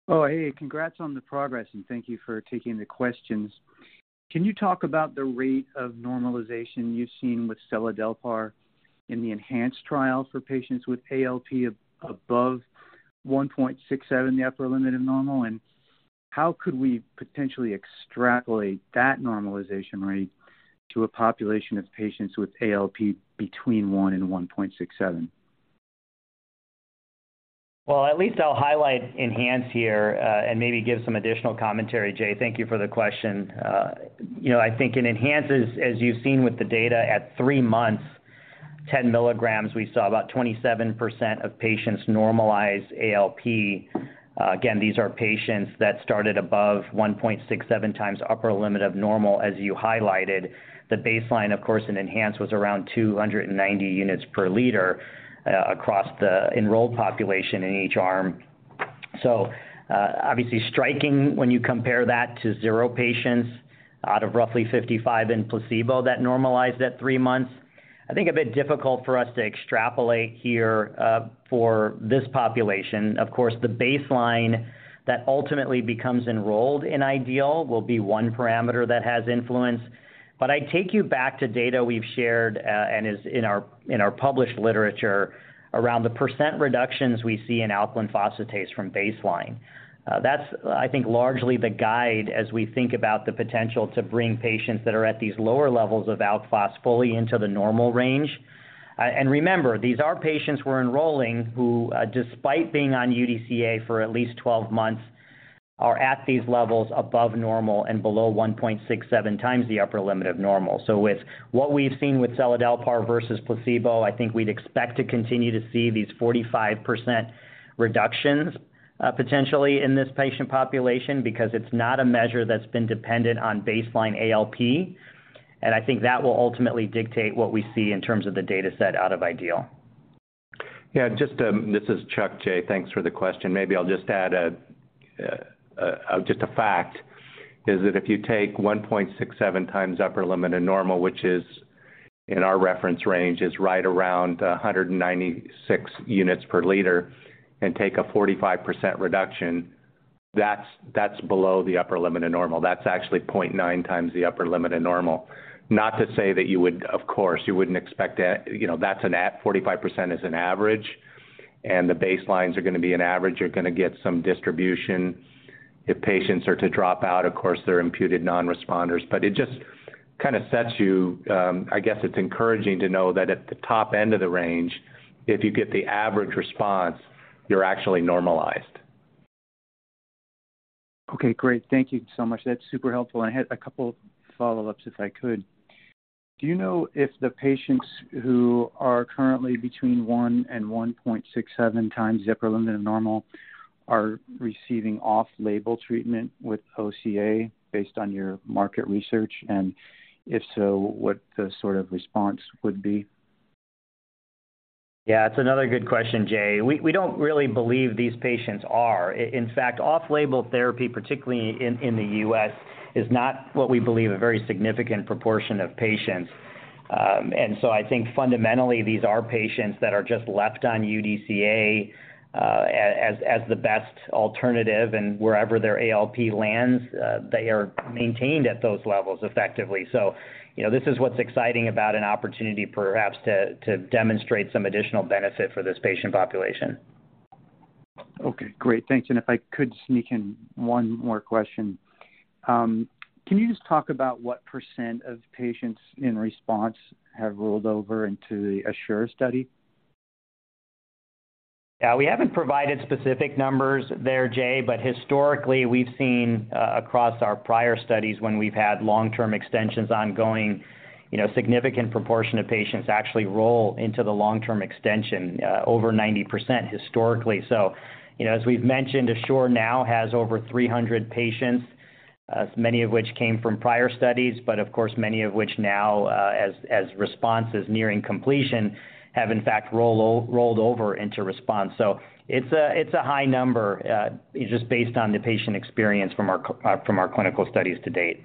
Oh, hey, congrats on the progress and thank you for taking the questions. Can you talk about the rate of normalization you've seen with seladelpar in the ENHANCE trial for patients with ALP above 1.67 the upper limit of normal? How could we potentially extrapolate that normalization rate to a population of patients with ALP between 1 and 1.67? Well, at least I'll highlight ENHANCE here, and maybe give some additional commentary, Jay. Thank you for the question. You know, I think in ENHANCE, as, as you've seen with the data, at three months, 10 mg, we saw about 27% of patients normalize ALP. Again, these are patients that started above 1.67x the upper limit of normal, as you highlighted. The baseline, of course, in ENHANCE was around 290 units per liter across the enrolled population in each arm. Obviously striking when you compare that to zero patients out of roughly 55 in placebo, that normalized at three months. I think a bit difficult for us to extrapolate here for this population. Of course, the baseline that ultimately becomes enrolled in IDEAL will be one parameter that has influence. I take you back to data we've shared, and is in our published literature around the percent reductions we see in alkaline phosphatase from baseline. That's, I think, largely the guide as we think about the potential to bring patients that are at these lower levels of Alk Phos fully into the normal range. And remember, these are patients we're enrolling who, despite being on UDCA for at least 12 months, are at these levels above normal and below 1.67x the upper limit of normal. With what we've seen with seladelpar versus placebo, I think we'd expect to continue to see these 45% reductions, potentially in this patient population because it's not a measure that's been dependent on baseline ALP, and I think that will ultimately dictate what we see in terms of the data set out of IDEAL. This is Chuck, Jay. Thanks for the question. Maybe I'll just add, just a fact, is that if you take 1.67x the upper limit of normal, which is in our reference range, is right around 196 units per liter and take a 45% reduction, that's, that's below the upper limit of normal. That's actually 0.9x the upper limit of normal. Not to say that you would-- Of course, you wouldn't expect, you know, that's an at 45% is an average, and the baselines are going to be an average. You're going to get some distribution. If patients are to drop out, of course, they're imputed nonresponders. It just kind of sets you, I guess it's encouraging to know that at the top end of the range, if you get the average response, you're actually normalized. Okay, great. Thank you so much. That's super helpful. I had a couple follow-ups, if I could. Do you know if the patients who are currently between one and 1.67x the upper limit of normal are receiving off-label treatment with OCA based on your market research? If so, what the sort of response would be? Yeah, it's another good question, Jay. We don't really believe these patients are. In fact, off-label therapy, particularly in the U.S., is not what we believe a very significant proportion of patients. I think fundamentally, these are patients that are just left on UDCA, as the best alternative, and wherever their ALP lands, they are maintained at those levels effectively. This is what's exciting about an opportunity perhaps to demonstrate some additional benefit for this patient population. Okay, great. Thanks. If I could sneak in one more question. Can you just talk about what percent of patients in RESPONSE have rolled over into the ASSURE study? Yeah, we haven't provided specific numbers there, Jay, but historically, we've seen across our prior studies when we've had long-term extensions ongoing, you know, significant proportion of patients actually roll into the long-term extension, over 90% historically. You know, as we've mentioned, ASSURE now has over 300 patients, many of which came from prior studies, but of course, many of which now, as, as RESPONSE is nearing completion, have in fact rolled over into RESPONSE. It's a high number, just based on the patient experience from our clinical studies to date.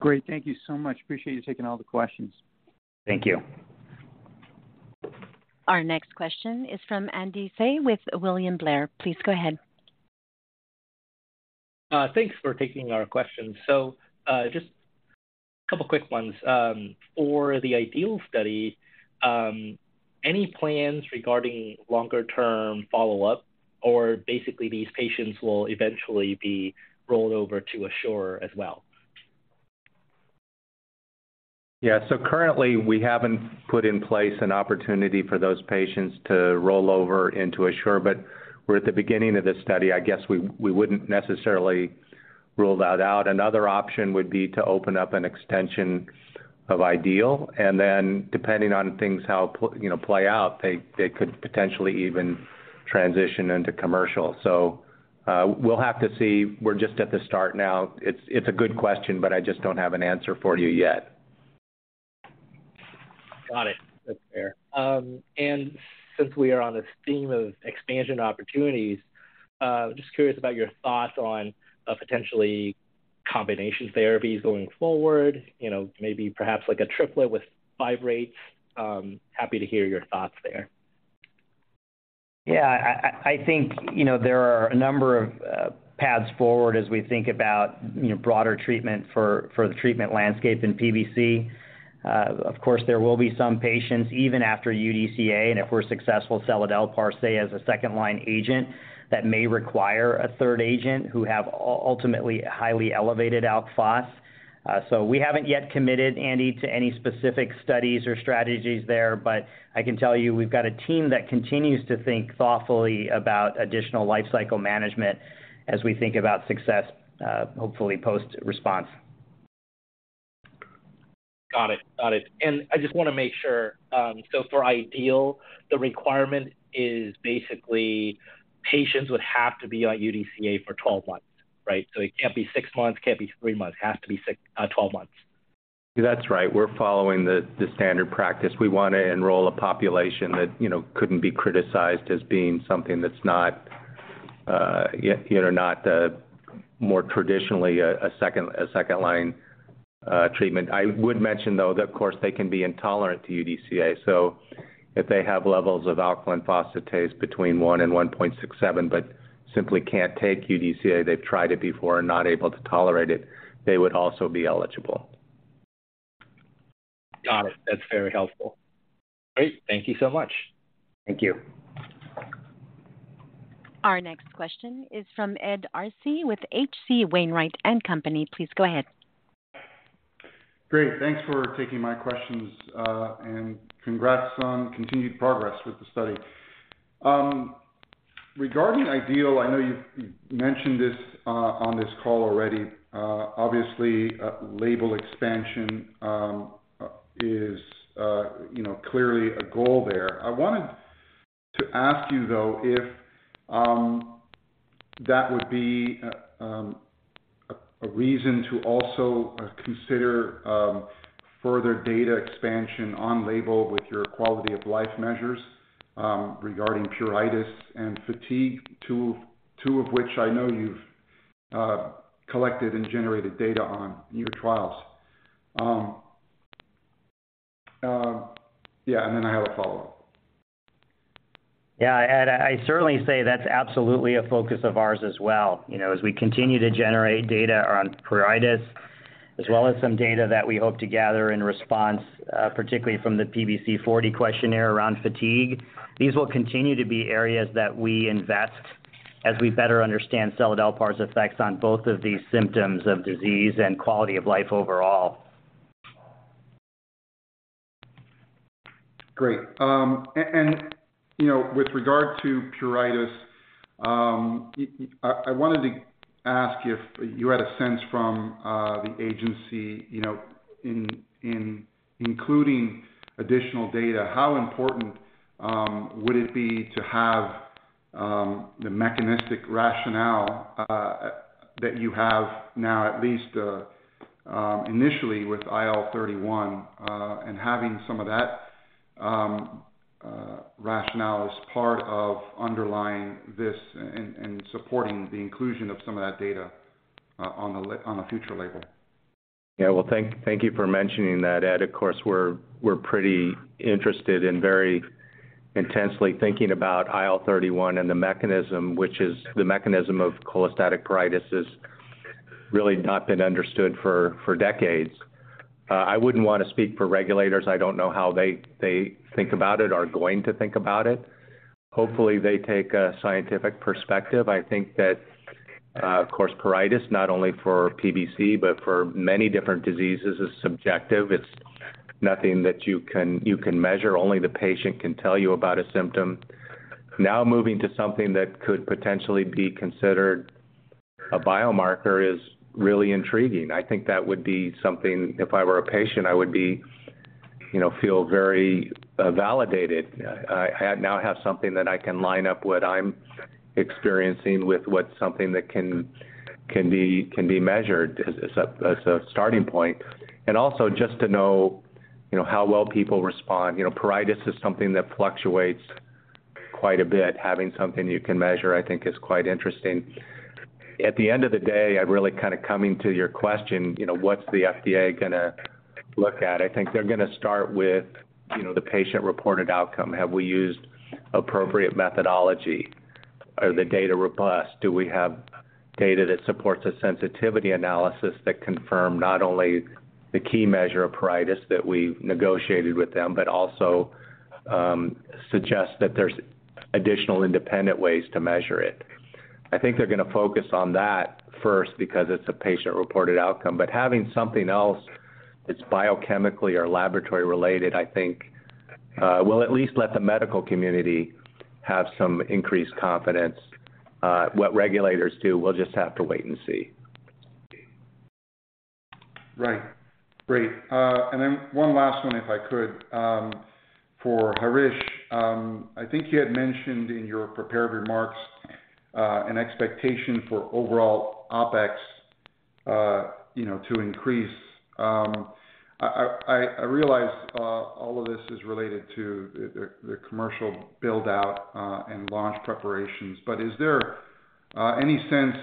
Great. Thank you so much. Appreciate you taking all the questions. Thank you. Our next question is from Andy Hsieh with William Blair. Please go ahead. Thanks for taking our question. Just a couple quick ones. For the IDEAL study, any plans regarding longer-term follow-up, or basically, these patients will eventually be rolled over to ASSURE as well? Yeah. Currently, we haven't put in place an opportunity for those patients to roll over into ASSURE, but we're at the beginning of this study. I guess we wouldn't necessarily rule that out. Another option would be to open up an extension of IDEAL, and then, depending on things, how, you know, play out, they could potentially even transition into commercial. We'll have to see. We're just at the start now. It's a good question, but I just don't have an answer for you yet. Got it. That's fair. Since we are on this theme of expansion opportunities, just curious about your thoughts on, potentially combination therapies going forward, you know, maybe perhaps like a triplet with fibrates. Happy to hear your thoughts there. I think, there are a number of paths forward as we think about, broader treatment for the treatment landscape in PBC. Of course, there will be some patients, even after UDCA, if we're successful, seladelpar as a second-line agent, that may require a third agent who have ultimately highly elevated Alk Phos. We haven't yet committed, Andy, to any specific studies or strategies there, but I can tell you, we've got a team that continues to think thoughtfully about additional lifecycle management as we think about success, hopefully post-RESPONSE. Got it. Got it. I just want to make sure, so for IDEAL, the requirement is basically, patients would have to be on UDCA for 12 months, right? It can't be six months, can't be three months, it has to be six, 12 months. That's right. We're following the standard practice. We want to enroll a population that, couldn't be criticized as being something that's not more traditionally a second-line treatment. I would mention, though, that, of course, they can be intolerant to UDCA. If they have levels of alkaline phosphatase between 1 and 1.67, but simply can't take UDCA, they've tried it before and not able to tolerate it, they would also be eligible. Got it. That's very helpful. Great. Thank you so much. Thank you. Our next question is from Ed Arce with H.C. Wainwright and Co. Please go ahead. Great. Thanks for taking my questions. Congrats on continued progress with the study. Regarding IDEAL, I know you've mentioned this on this call already. Obviously, label expansion, you know, clearly a goal there. I wanted to ask you, though, if that would be a reason to also consider further data expansion on label with your quality-of-life measures regarding pruritus and fatigue, two of which I know you've collected and generated data on in your trials. Yeah, then I have a follow-up. Yeah. Ed, I certainly say that's absolutely a focus of ours as well. You know, as we continue to generate data on pruritus, as well as some data that we hope to gather in RESPONSE, particularly from the PBC-40 questionnaire around fatigue. These will continue to be areas that we invest as we better understand seladelpar's effects on both of these symptoms of disease and quality of life overall. Great. with regard to pruritus, I wanted to ask if you had a sense from the agency, including additional data, how important would it be to have the mechanistic rationale that you have now, at least initially with IL-31, and having some of that rationale as part of underlying this and supporting the inclusion of some of that data on a future label? Yeah. Well, thank you for mentioning that Ed. Of course, we're, we're pretty interested in very intensely thinking about IL-31 and the mechanism, which is the mechanism of cholestatic pruritus, has really not been understood for, for decades. I wouldn't want to speak for regulators. I don't know how they think about it or are going to think about it. Hopefully, they take a scientific perspective. I think that-- of course, pruritus, not only for PBC, but for many different diseases is subjective. It's nothing that you can measure. Only the patient can tell you about a symptom. Now, moving to something that could potentially be considered a biomarker is really intriguing. I think that would be something, if I were a patient, I would be, you know, feel very validated. I now have something that I can line up what I'm experiencing with what something that can be measured as a starting point. Also just to know how well people respond. Pruritus is something that fluctuates quite a bit. Having something you can measure, I think, is quite interesting. At the end of the day, I'm really kind of coming to your question, you know, what's the FDA going to look at? I think they're going to start with the patient-reported outcome. Have we used appropriate methodology? Are the data robust? Do we have data that supports a sensitivity analysis that confirm not only the key measure of pruritus that we negotiated with them, but also suggests that there's additional independent ways to measure it? I think they're going to focus on that first because it's a patient-reported outcome. having something else that's biochemically or laboratory related, I think, will at least let the medical community have some increased confidence. What regulators do, we'll just have to wait and see. Right. Great. Then one last one, if I could. For Harish, I think you had mentioned in your prepared remarks, an expectation for overall OpEx, you know, to increase. I realize, all of this is related to the commercial build-out, and launch preparations, but is there any sense,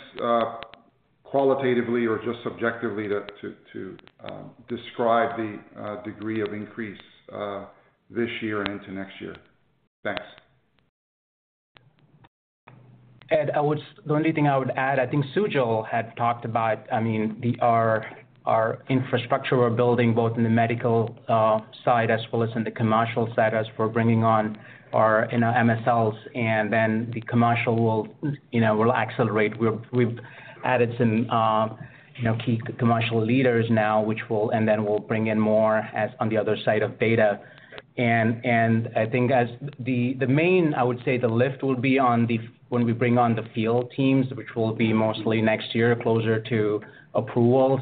qualitatively or just subjectively, to describe the degree of increase, this year and into next year? Thanks. Ed, the only thing I would add, I think Sujal had talked about our infrastructure we're building, both in the medical side as well as in the commercial side, as we're bringing on our MSLs, and then the commercial will, will accelerate. We've added some key commercial leaders now which will and then we'll bring in more as on the other side of data. I think as the main, I would say the lift will be when we bring on the field teams, which will be mostly next year, closer to approval.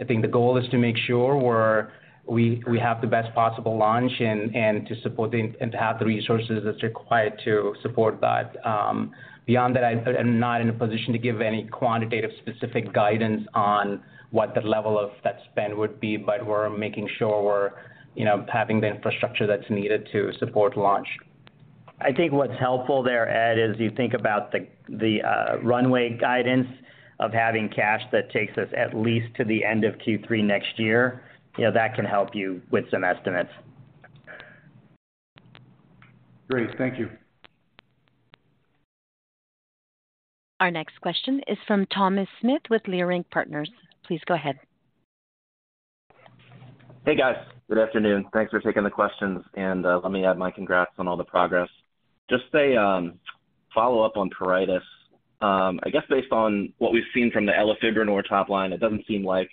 I think the goal is to make sure we have the best possible launch and to support and to have the resources that's required to support that. Beyond that, I'm not in a position to give any quantitative specific guidance on what the level of that spend would be, but we're making sure we're, having the infrastructure that's needed to support launch. I think what's helpful there, Ed, is you think about the, the runway guidance of having cash that takes us at least to the end of Q3 next year. That can help you with some estimates. Great. Thank you. Our next question is from Thomas Smith with Leerink Partners. Please go ahead. Hey, guys. Good afternoon. Thanks for taking the questions and let me add my congrats on all the progress. Just a follow-up on pruritus. I guess based on what we've seen from the elafibranor top line, it doesn't seem like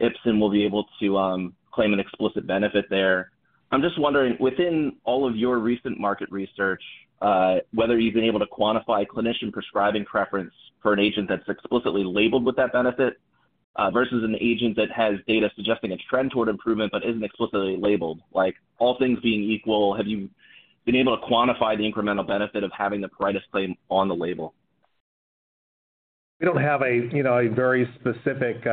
Ipsen will be able to claim an explicit benefit there. I'm just wondering, within all of your recent market research, whether you've been able to quantify clinician prescribing preference for an agent that's explicitly labeled with that benefit versus an agent that has data suggesting a trend toward improvement but isn't explicitly labeled? Like, all things being equal, have you been able to quantify the incremental benefit of having the pruritus claim on the label? We don't have a very specific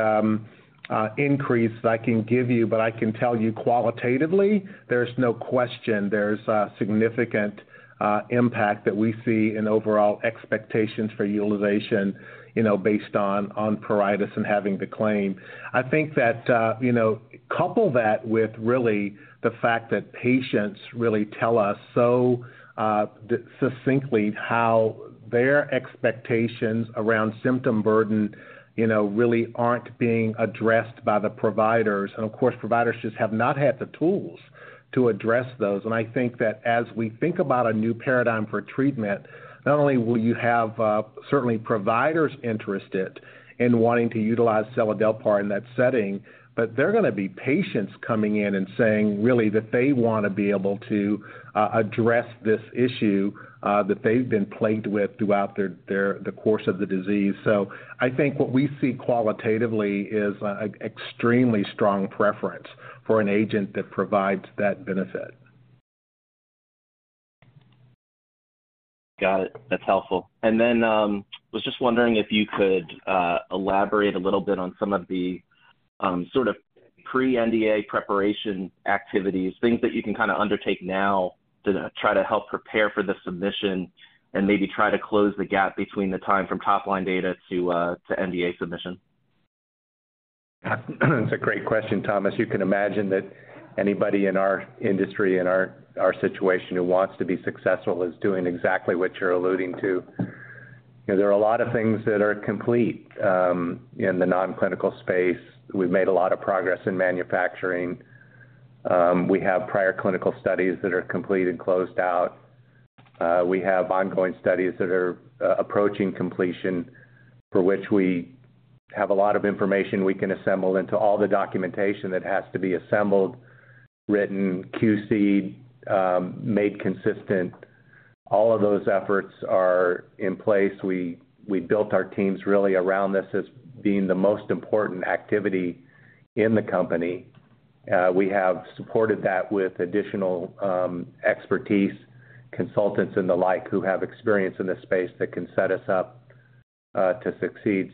increase that I can give you, but I can tell you qualitatively, there's no question there's a significant impact that we see in overall expectations for utilization based on, on pruritus and having the claim. I think that couple that with really the fact that patients really tell us so succinctly how their expectations around symptom burden really aren't being addressed by the providers. Of course, providers just have not had the tools to address those. I think that as we think about a new paradigm for treatment, not only will you have, certainly providers interested in wanting to utilize seladelpar in that setting, but there are going to be patients coming in and saying, really, that they want to be able to address this issue, that they've been plagued with throughout the course of the disease. I think what we see qualitatively is an extremely strong preference for an agent that provides that benefit. Got it. That's helpful. Then was just wondering if you could elaborate a little bit on some of the sort of pre-NDA preparation activities, things that you can kind of undertake now to try to help prepare for the submission and maybe try to close the gap between the time from top-line data to NDA submission. That's a great question, Thomas. You can imagine that anybody in our industry, in our situation who wants to be successful is doing exactly what you're alluding to. There are a lot of things that are complete in the non-clinical space. We've made a lot of progress in manufacturing. We have prior clinical studies that are complete and closed out. We have ongoing studies that are approaching completion, for which we have a lot of information we can assemble into all the documentation that has to be assembled, written, QC'd, made consistent. All of those efforts are in place. We built our teams really around this as being the most important activity in the company. We have supported that with additional expertise, consultants, and the like who have experience in this space that can set us up to succeed.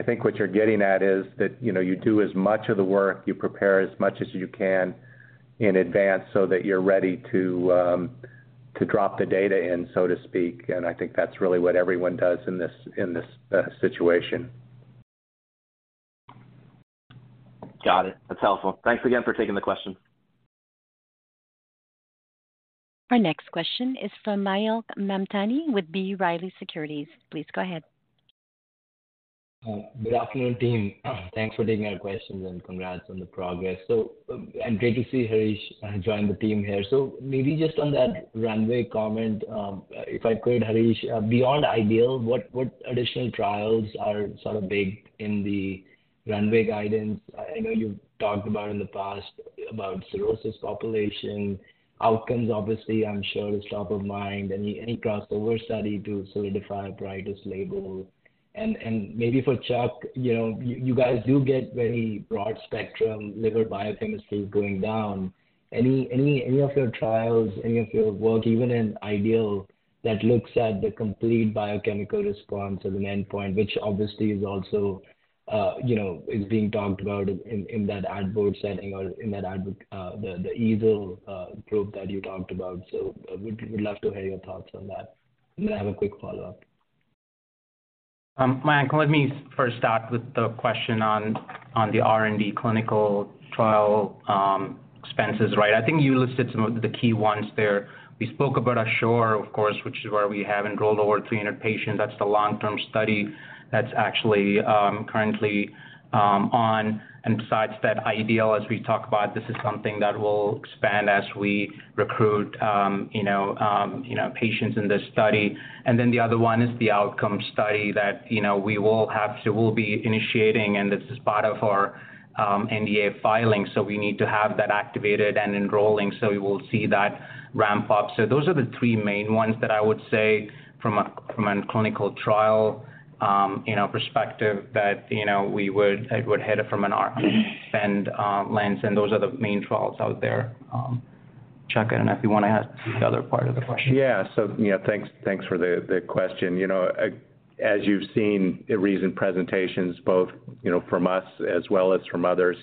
I think what you're getting at is that you do as much of the work, you prepare as much as you can in advance so that you're ready to drop the data in, so to speak. I think that's really what everyone does in this, in this situation. Got it. That's helpful. Thanks again for taking the question. Our next question is from Mayank Mamtani with B. Riley Securities. Please go ahead. Hi. Good afternoon, team. Thanks for taking our questions, and congrats on the progress. Great to see Harish join the team here. Maybe just on that runway comment, if I could, Harish, beyond IDEAL, what, what additional trials are sort of big in the runway guidance? I know you've talked about in the past about cirrhosis population. Outcomes, obviously, I'm sure is top of mind. Any crossover study to solidify a pruritus label? And maybe for Chuck, you know, you, you guys do get very broad-spectrum liver biochemistry going down. Any of your trials, any of your work, even in IDEAL, that looks at the complete biochemical response as an endpoint, which obviously is also is being talked about in that ad board setting or in that the EASL group that you talked about. Would love to hear your thoughts on that. I have a quick follow-up. Mayank, let me first start with the question on the R&D clinical trial expenses, right? I think you listed some of the key ones there. We spoke about ASSURE, of course, which is where we have enrolled over 300 patients. That's the long-term study that's actually currently on. Besides that, IDEAL, as we talk about, this is something that will expand as we recruit patients in this study. Then the other one is the outcome study that, we will have to, we'll be initiating, and this is part of our NDA filing, so we need to have that activated and enrolling, so we will see that ramp up. Those are the three main ones that I would say from a, from a clinical trial perspective, that I would hit it from an R spend, lens, and those are the main trials out there. Chuck, I don't know if you want to add the other part of the question. Yeah. thanks for the question. You know, as you've seen in recent presentations, both from us as well as from others,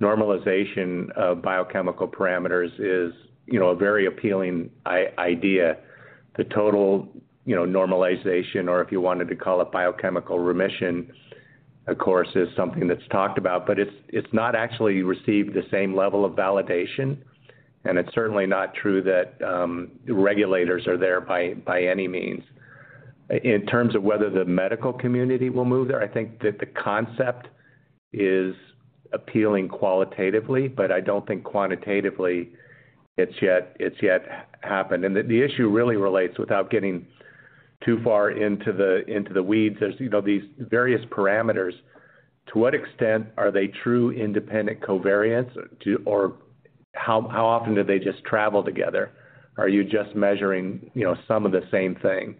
normalization of biochemical parameters is a very appealing idea. The total normalization, or if you wanted to call it biochemical remission, of course, is something that's talked about, but it's not actually received the same level of validation, and it's certainly not true that regulators are there by any means. In terms of whether the medical community will move there, I think that the concept is appealing qualitatively, but I don't think quantitatively it's yet, it's yet happened. The issue really relates, without getting too far into the weeds, there's these various parameters. To what extent are they true independent covariates? Or how, how often do they just travel together? Are you just measuring some of the same thing?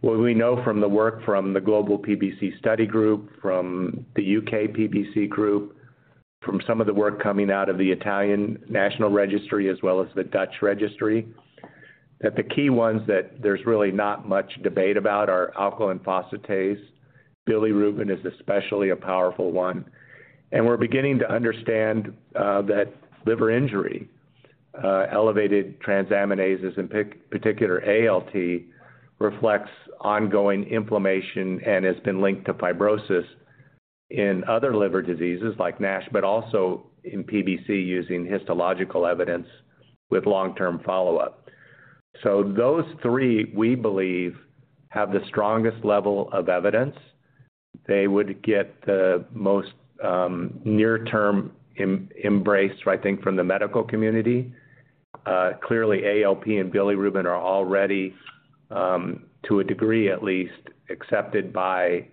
What we know from the work from the Global PBC Study Group, from the U.K. PBC group, from some of the work coming out of the Italian National Registry, as well as the Dutch Registry, that the key ones that there's really not much debate about are alkaline phosphatase. Bilirubin is especially a powerful one. We're beginning to understand that liver injury, elevated transaminases, in particular ALT, reflects ongoing inflammation and has been linked to fibrosis in other liver diseases like NASH, but also in PBC, using histological evidence with long-term follow-up. Those three, we believe, have the strongest level of evidence. They would get the most near-term embraced, I think, from the medical community. Clearly, ALP and bilirubin are already, to a degree at least, accepted by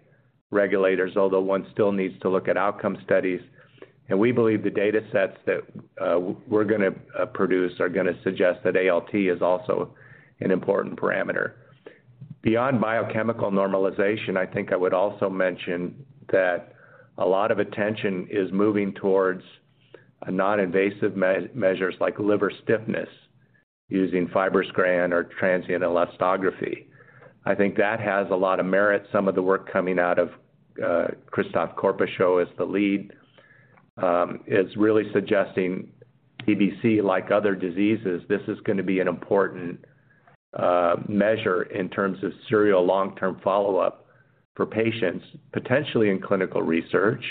regulators, although one still needs to look at outcome studies. We believe the datasets that we're going to produce are going to suggest that ALT is also an important parameter. Beyond biochemical normalization, I think I would also mention that a lot of attention is moving towards a non-invasive measures like liver stiffness, using FibroScan or transient elastography. I think that has a lot of merit. Some of the work coming out of Christophe Corpechot as the lead, is really suggesting PBC, like other diseases, this is going to be an important measure in terms of serial long-term follow-up for patients, potentially in clinical research,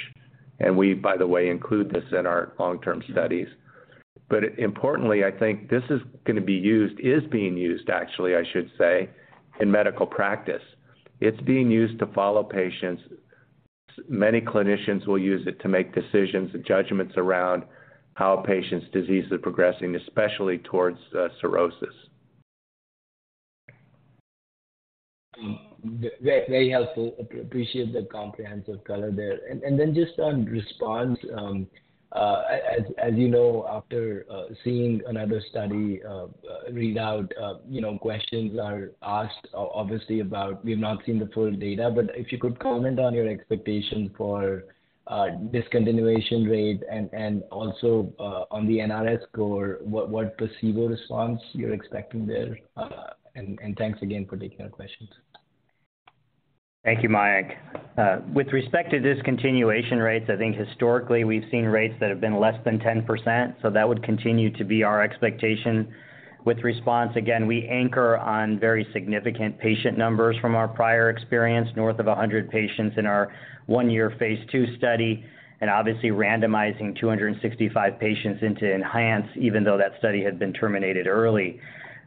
and we, by the way, include this in our long-term studies. Importantly, I think this is going to be used, is being used, actually, I should say, in medical practice. It's being used to follow patients. Many clinicians will use it to make decisions and judgments around how a patient's disease is progressing, especially towards cirrhosis. Very helpful. Appreciate the comprehensive color there. Then just on RESPONSE, as you know, after seeing another study readout questions are asked obviously about we've not seen the full data. If you could comment on your expectation for discontinuation rate and also on the NRS score, what placebo response you're expecting there? Thanks again for taking our questions. Thank you, Mayank. With respect to discontinuation rates, I think historically we've seen rates that have been less than 10%, so that would continue to be our expectation. With RESPONSE, again, we anchor on very significant patient numbers from our prior experience, north of 100 patients in our one-year phase II study, and obviously randomizing 265 patients into ENHANCE, even though that study had been terminated early.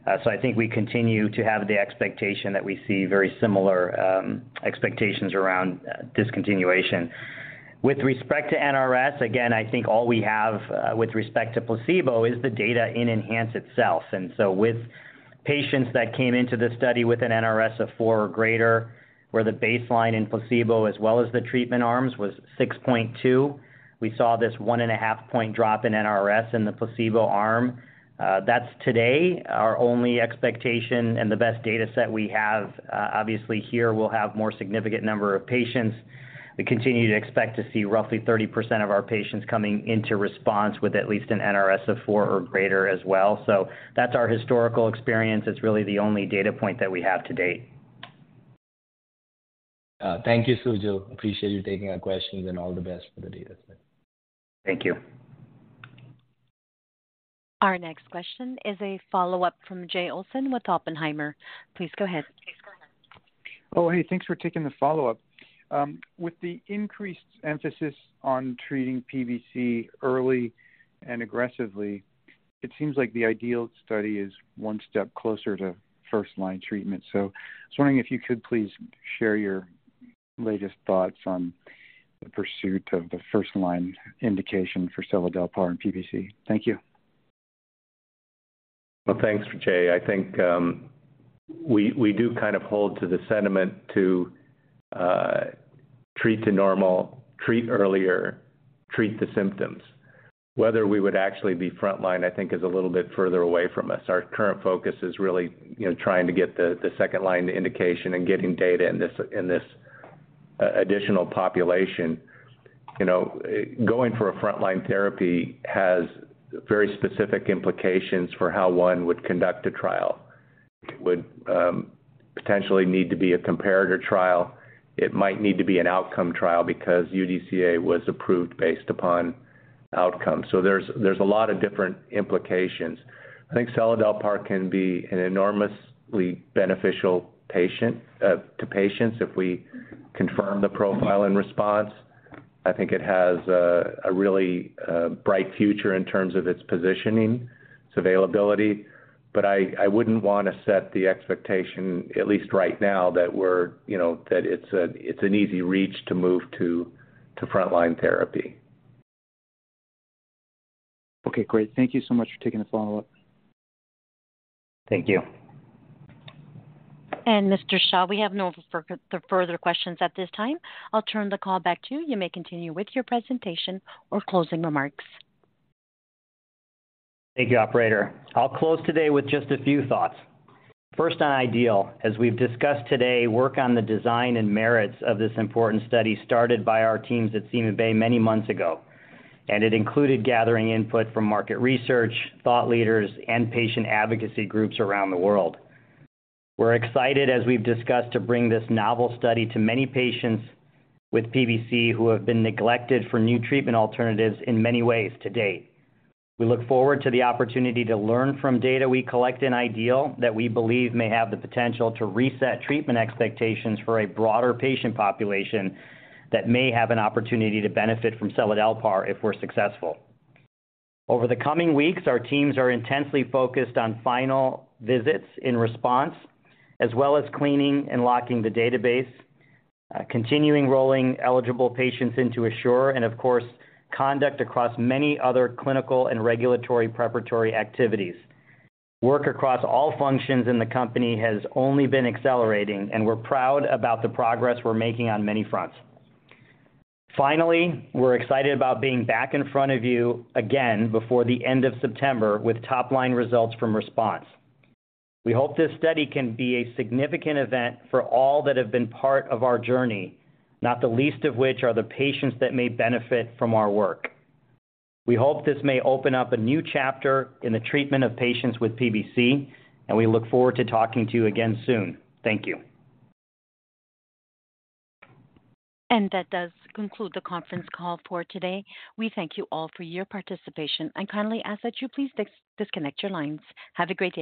I think we continue to have the expectation that we see very similar expectations around discontinuation. With respect to NRS, again, I think all we have with respect to placebo is the data in ENHANCE itself. With patients that came into the study with an NRS of four or greater, where the baseline in placebo as well as the treatment arms was 6.2, we saw this 1.5-point drop in NRS in the placebo arm. That's today our only expectation and the best data set we have. Obviously here we'll have more significant number of patients. We continue to expect to see roughly 30% of our patients coming into RESPONSE with at least an NRS of four or greater as well. That's our historical experience. It's really the only data point that we have to date. Thank you, Sujal. Appreciate you taking our questions, and all the best for the data set. Thank you. Our next question is a follow-up from Jay Olson with Oppenheimer. Please go ahead. Hey, thanks for taking the follow-up. With the increased emphasis on treating PBC early and aggressively, it seems like the IDEAL study is one step closer to first-line treatment. I was wondering if you could please share your latest thoughts on the pursuit of the first-line indication for seladelpar in PBC. Thank you. Well, thanks, Jay. I think we do kind of hold to the sentiment to treat to normal, treat earlier, treat the symptoms. Whether we would actually be frontline, I think is a little bit further away from us. Our current focus is really, trying to get the second-line indication and getting data in this additional population. Going for a frontline therapy has very specific implications for how one would conduct a trial. It would potentially need to be a comparator trial. It might need to be an outcome trial because UDCA was approved based upon outcome. There's a lot of different implications. I think seladelpar can be an enormously beneficial patient to patients if we confirm the profile and response. I think it has a really bright future in terms of its positioning, its availability. I wouldn't want to set the expectation, at least right now, that we're that it's an easy reach to move to frontline therapy. Okay, great. Thank you so much for taking this follow-up. Thank you. Mr. Shah, we have no further questions at this time. I'll turn the call back to you. You may continue with your presentation or closing remarks. Thank you, Operator. I'll close today with just a few thoughts. First, on IDEAL. As we've discussed today, work on the design and merits of this important study started by our teams at CymaBay many months ago, and it included gathering input from market research, thought leaders, and patient advocacy groups around the world. We're excited, as we've discussed, to bring this novel study to many patients with PBC who have been neglected for new treatment alternatives in many ways to date. We look forward to the opportunity to learn from data we collect in IDEAL, that we believe may have the potential to reset treatment expectations for a broader patient population that may have an opportunity to benefit from seladelpar if we're successful. Over the coming weeks, our teams are intensely focused on final visits in RESPONSE, as well as cleaning and locking the database, continuing rolling eligible patients into ASSURE, and of course, conduct across many other clinical and regulatory preparatory activities. Work across all functions in the company has only been accelerating, and we're proud about the progress we're making on many fronts. Finally, we're excited about being back in front of you again before the end of September with top-line results from RESPONSE. We hope this study can be a significant event for all that have been part of our journey, not the least of which are the patients that may benefit from our work. We hope this may open up a new chapter in the treatment of patients with PBC, and we look forward to talking to you again soon. Thank you. That does conclude the conference call for today. We thank you all for your participation, and kindly ask that you please disconnect your lines. Have a great day.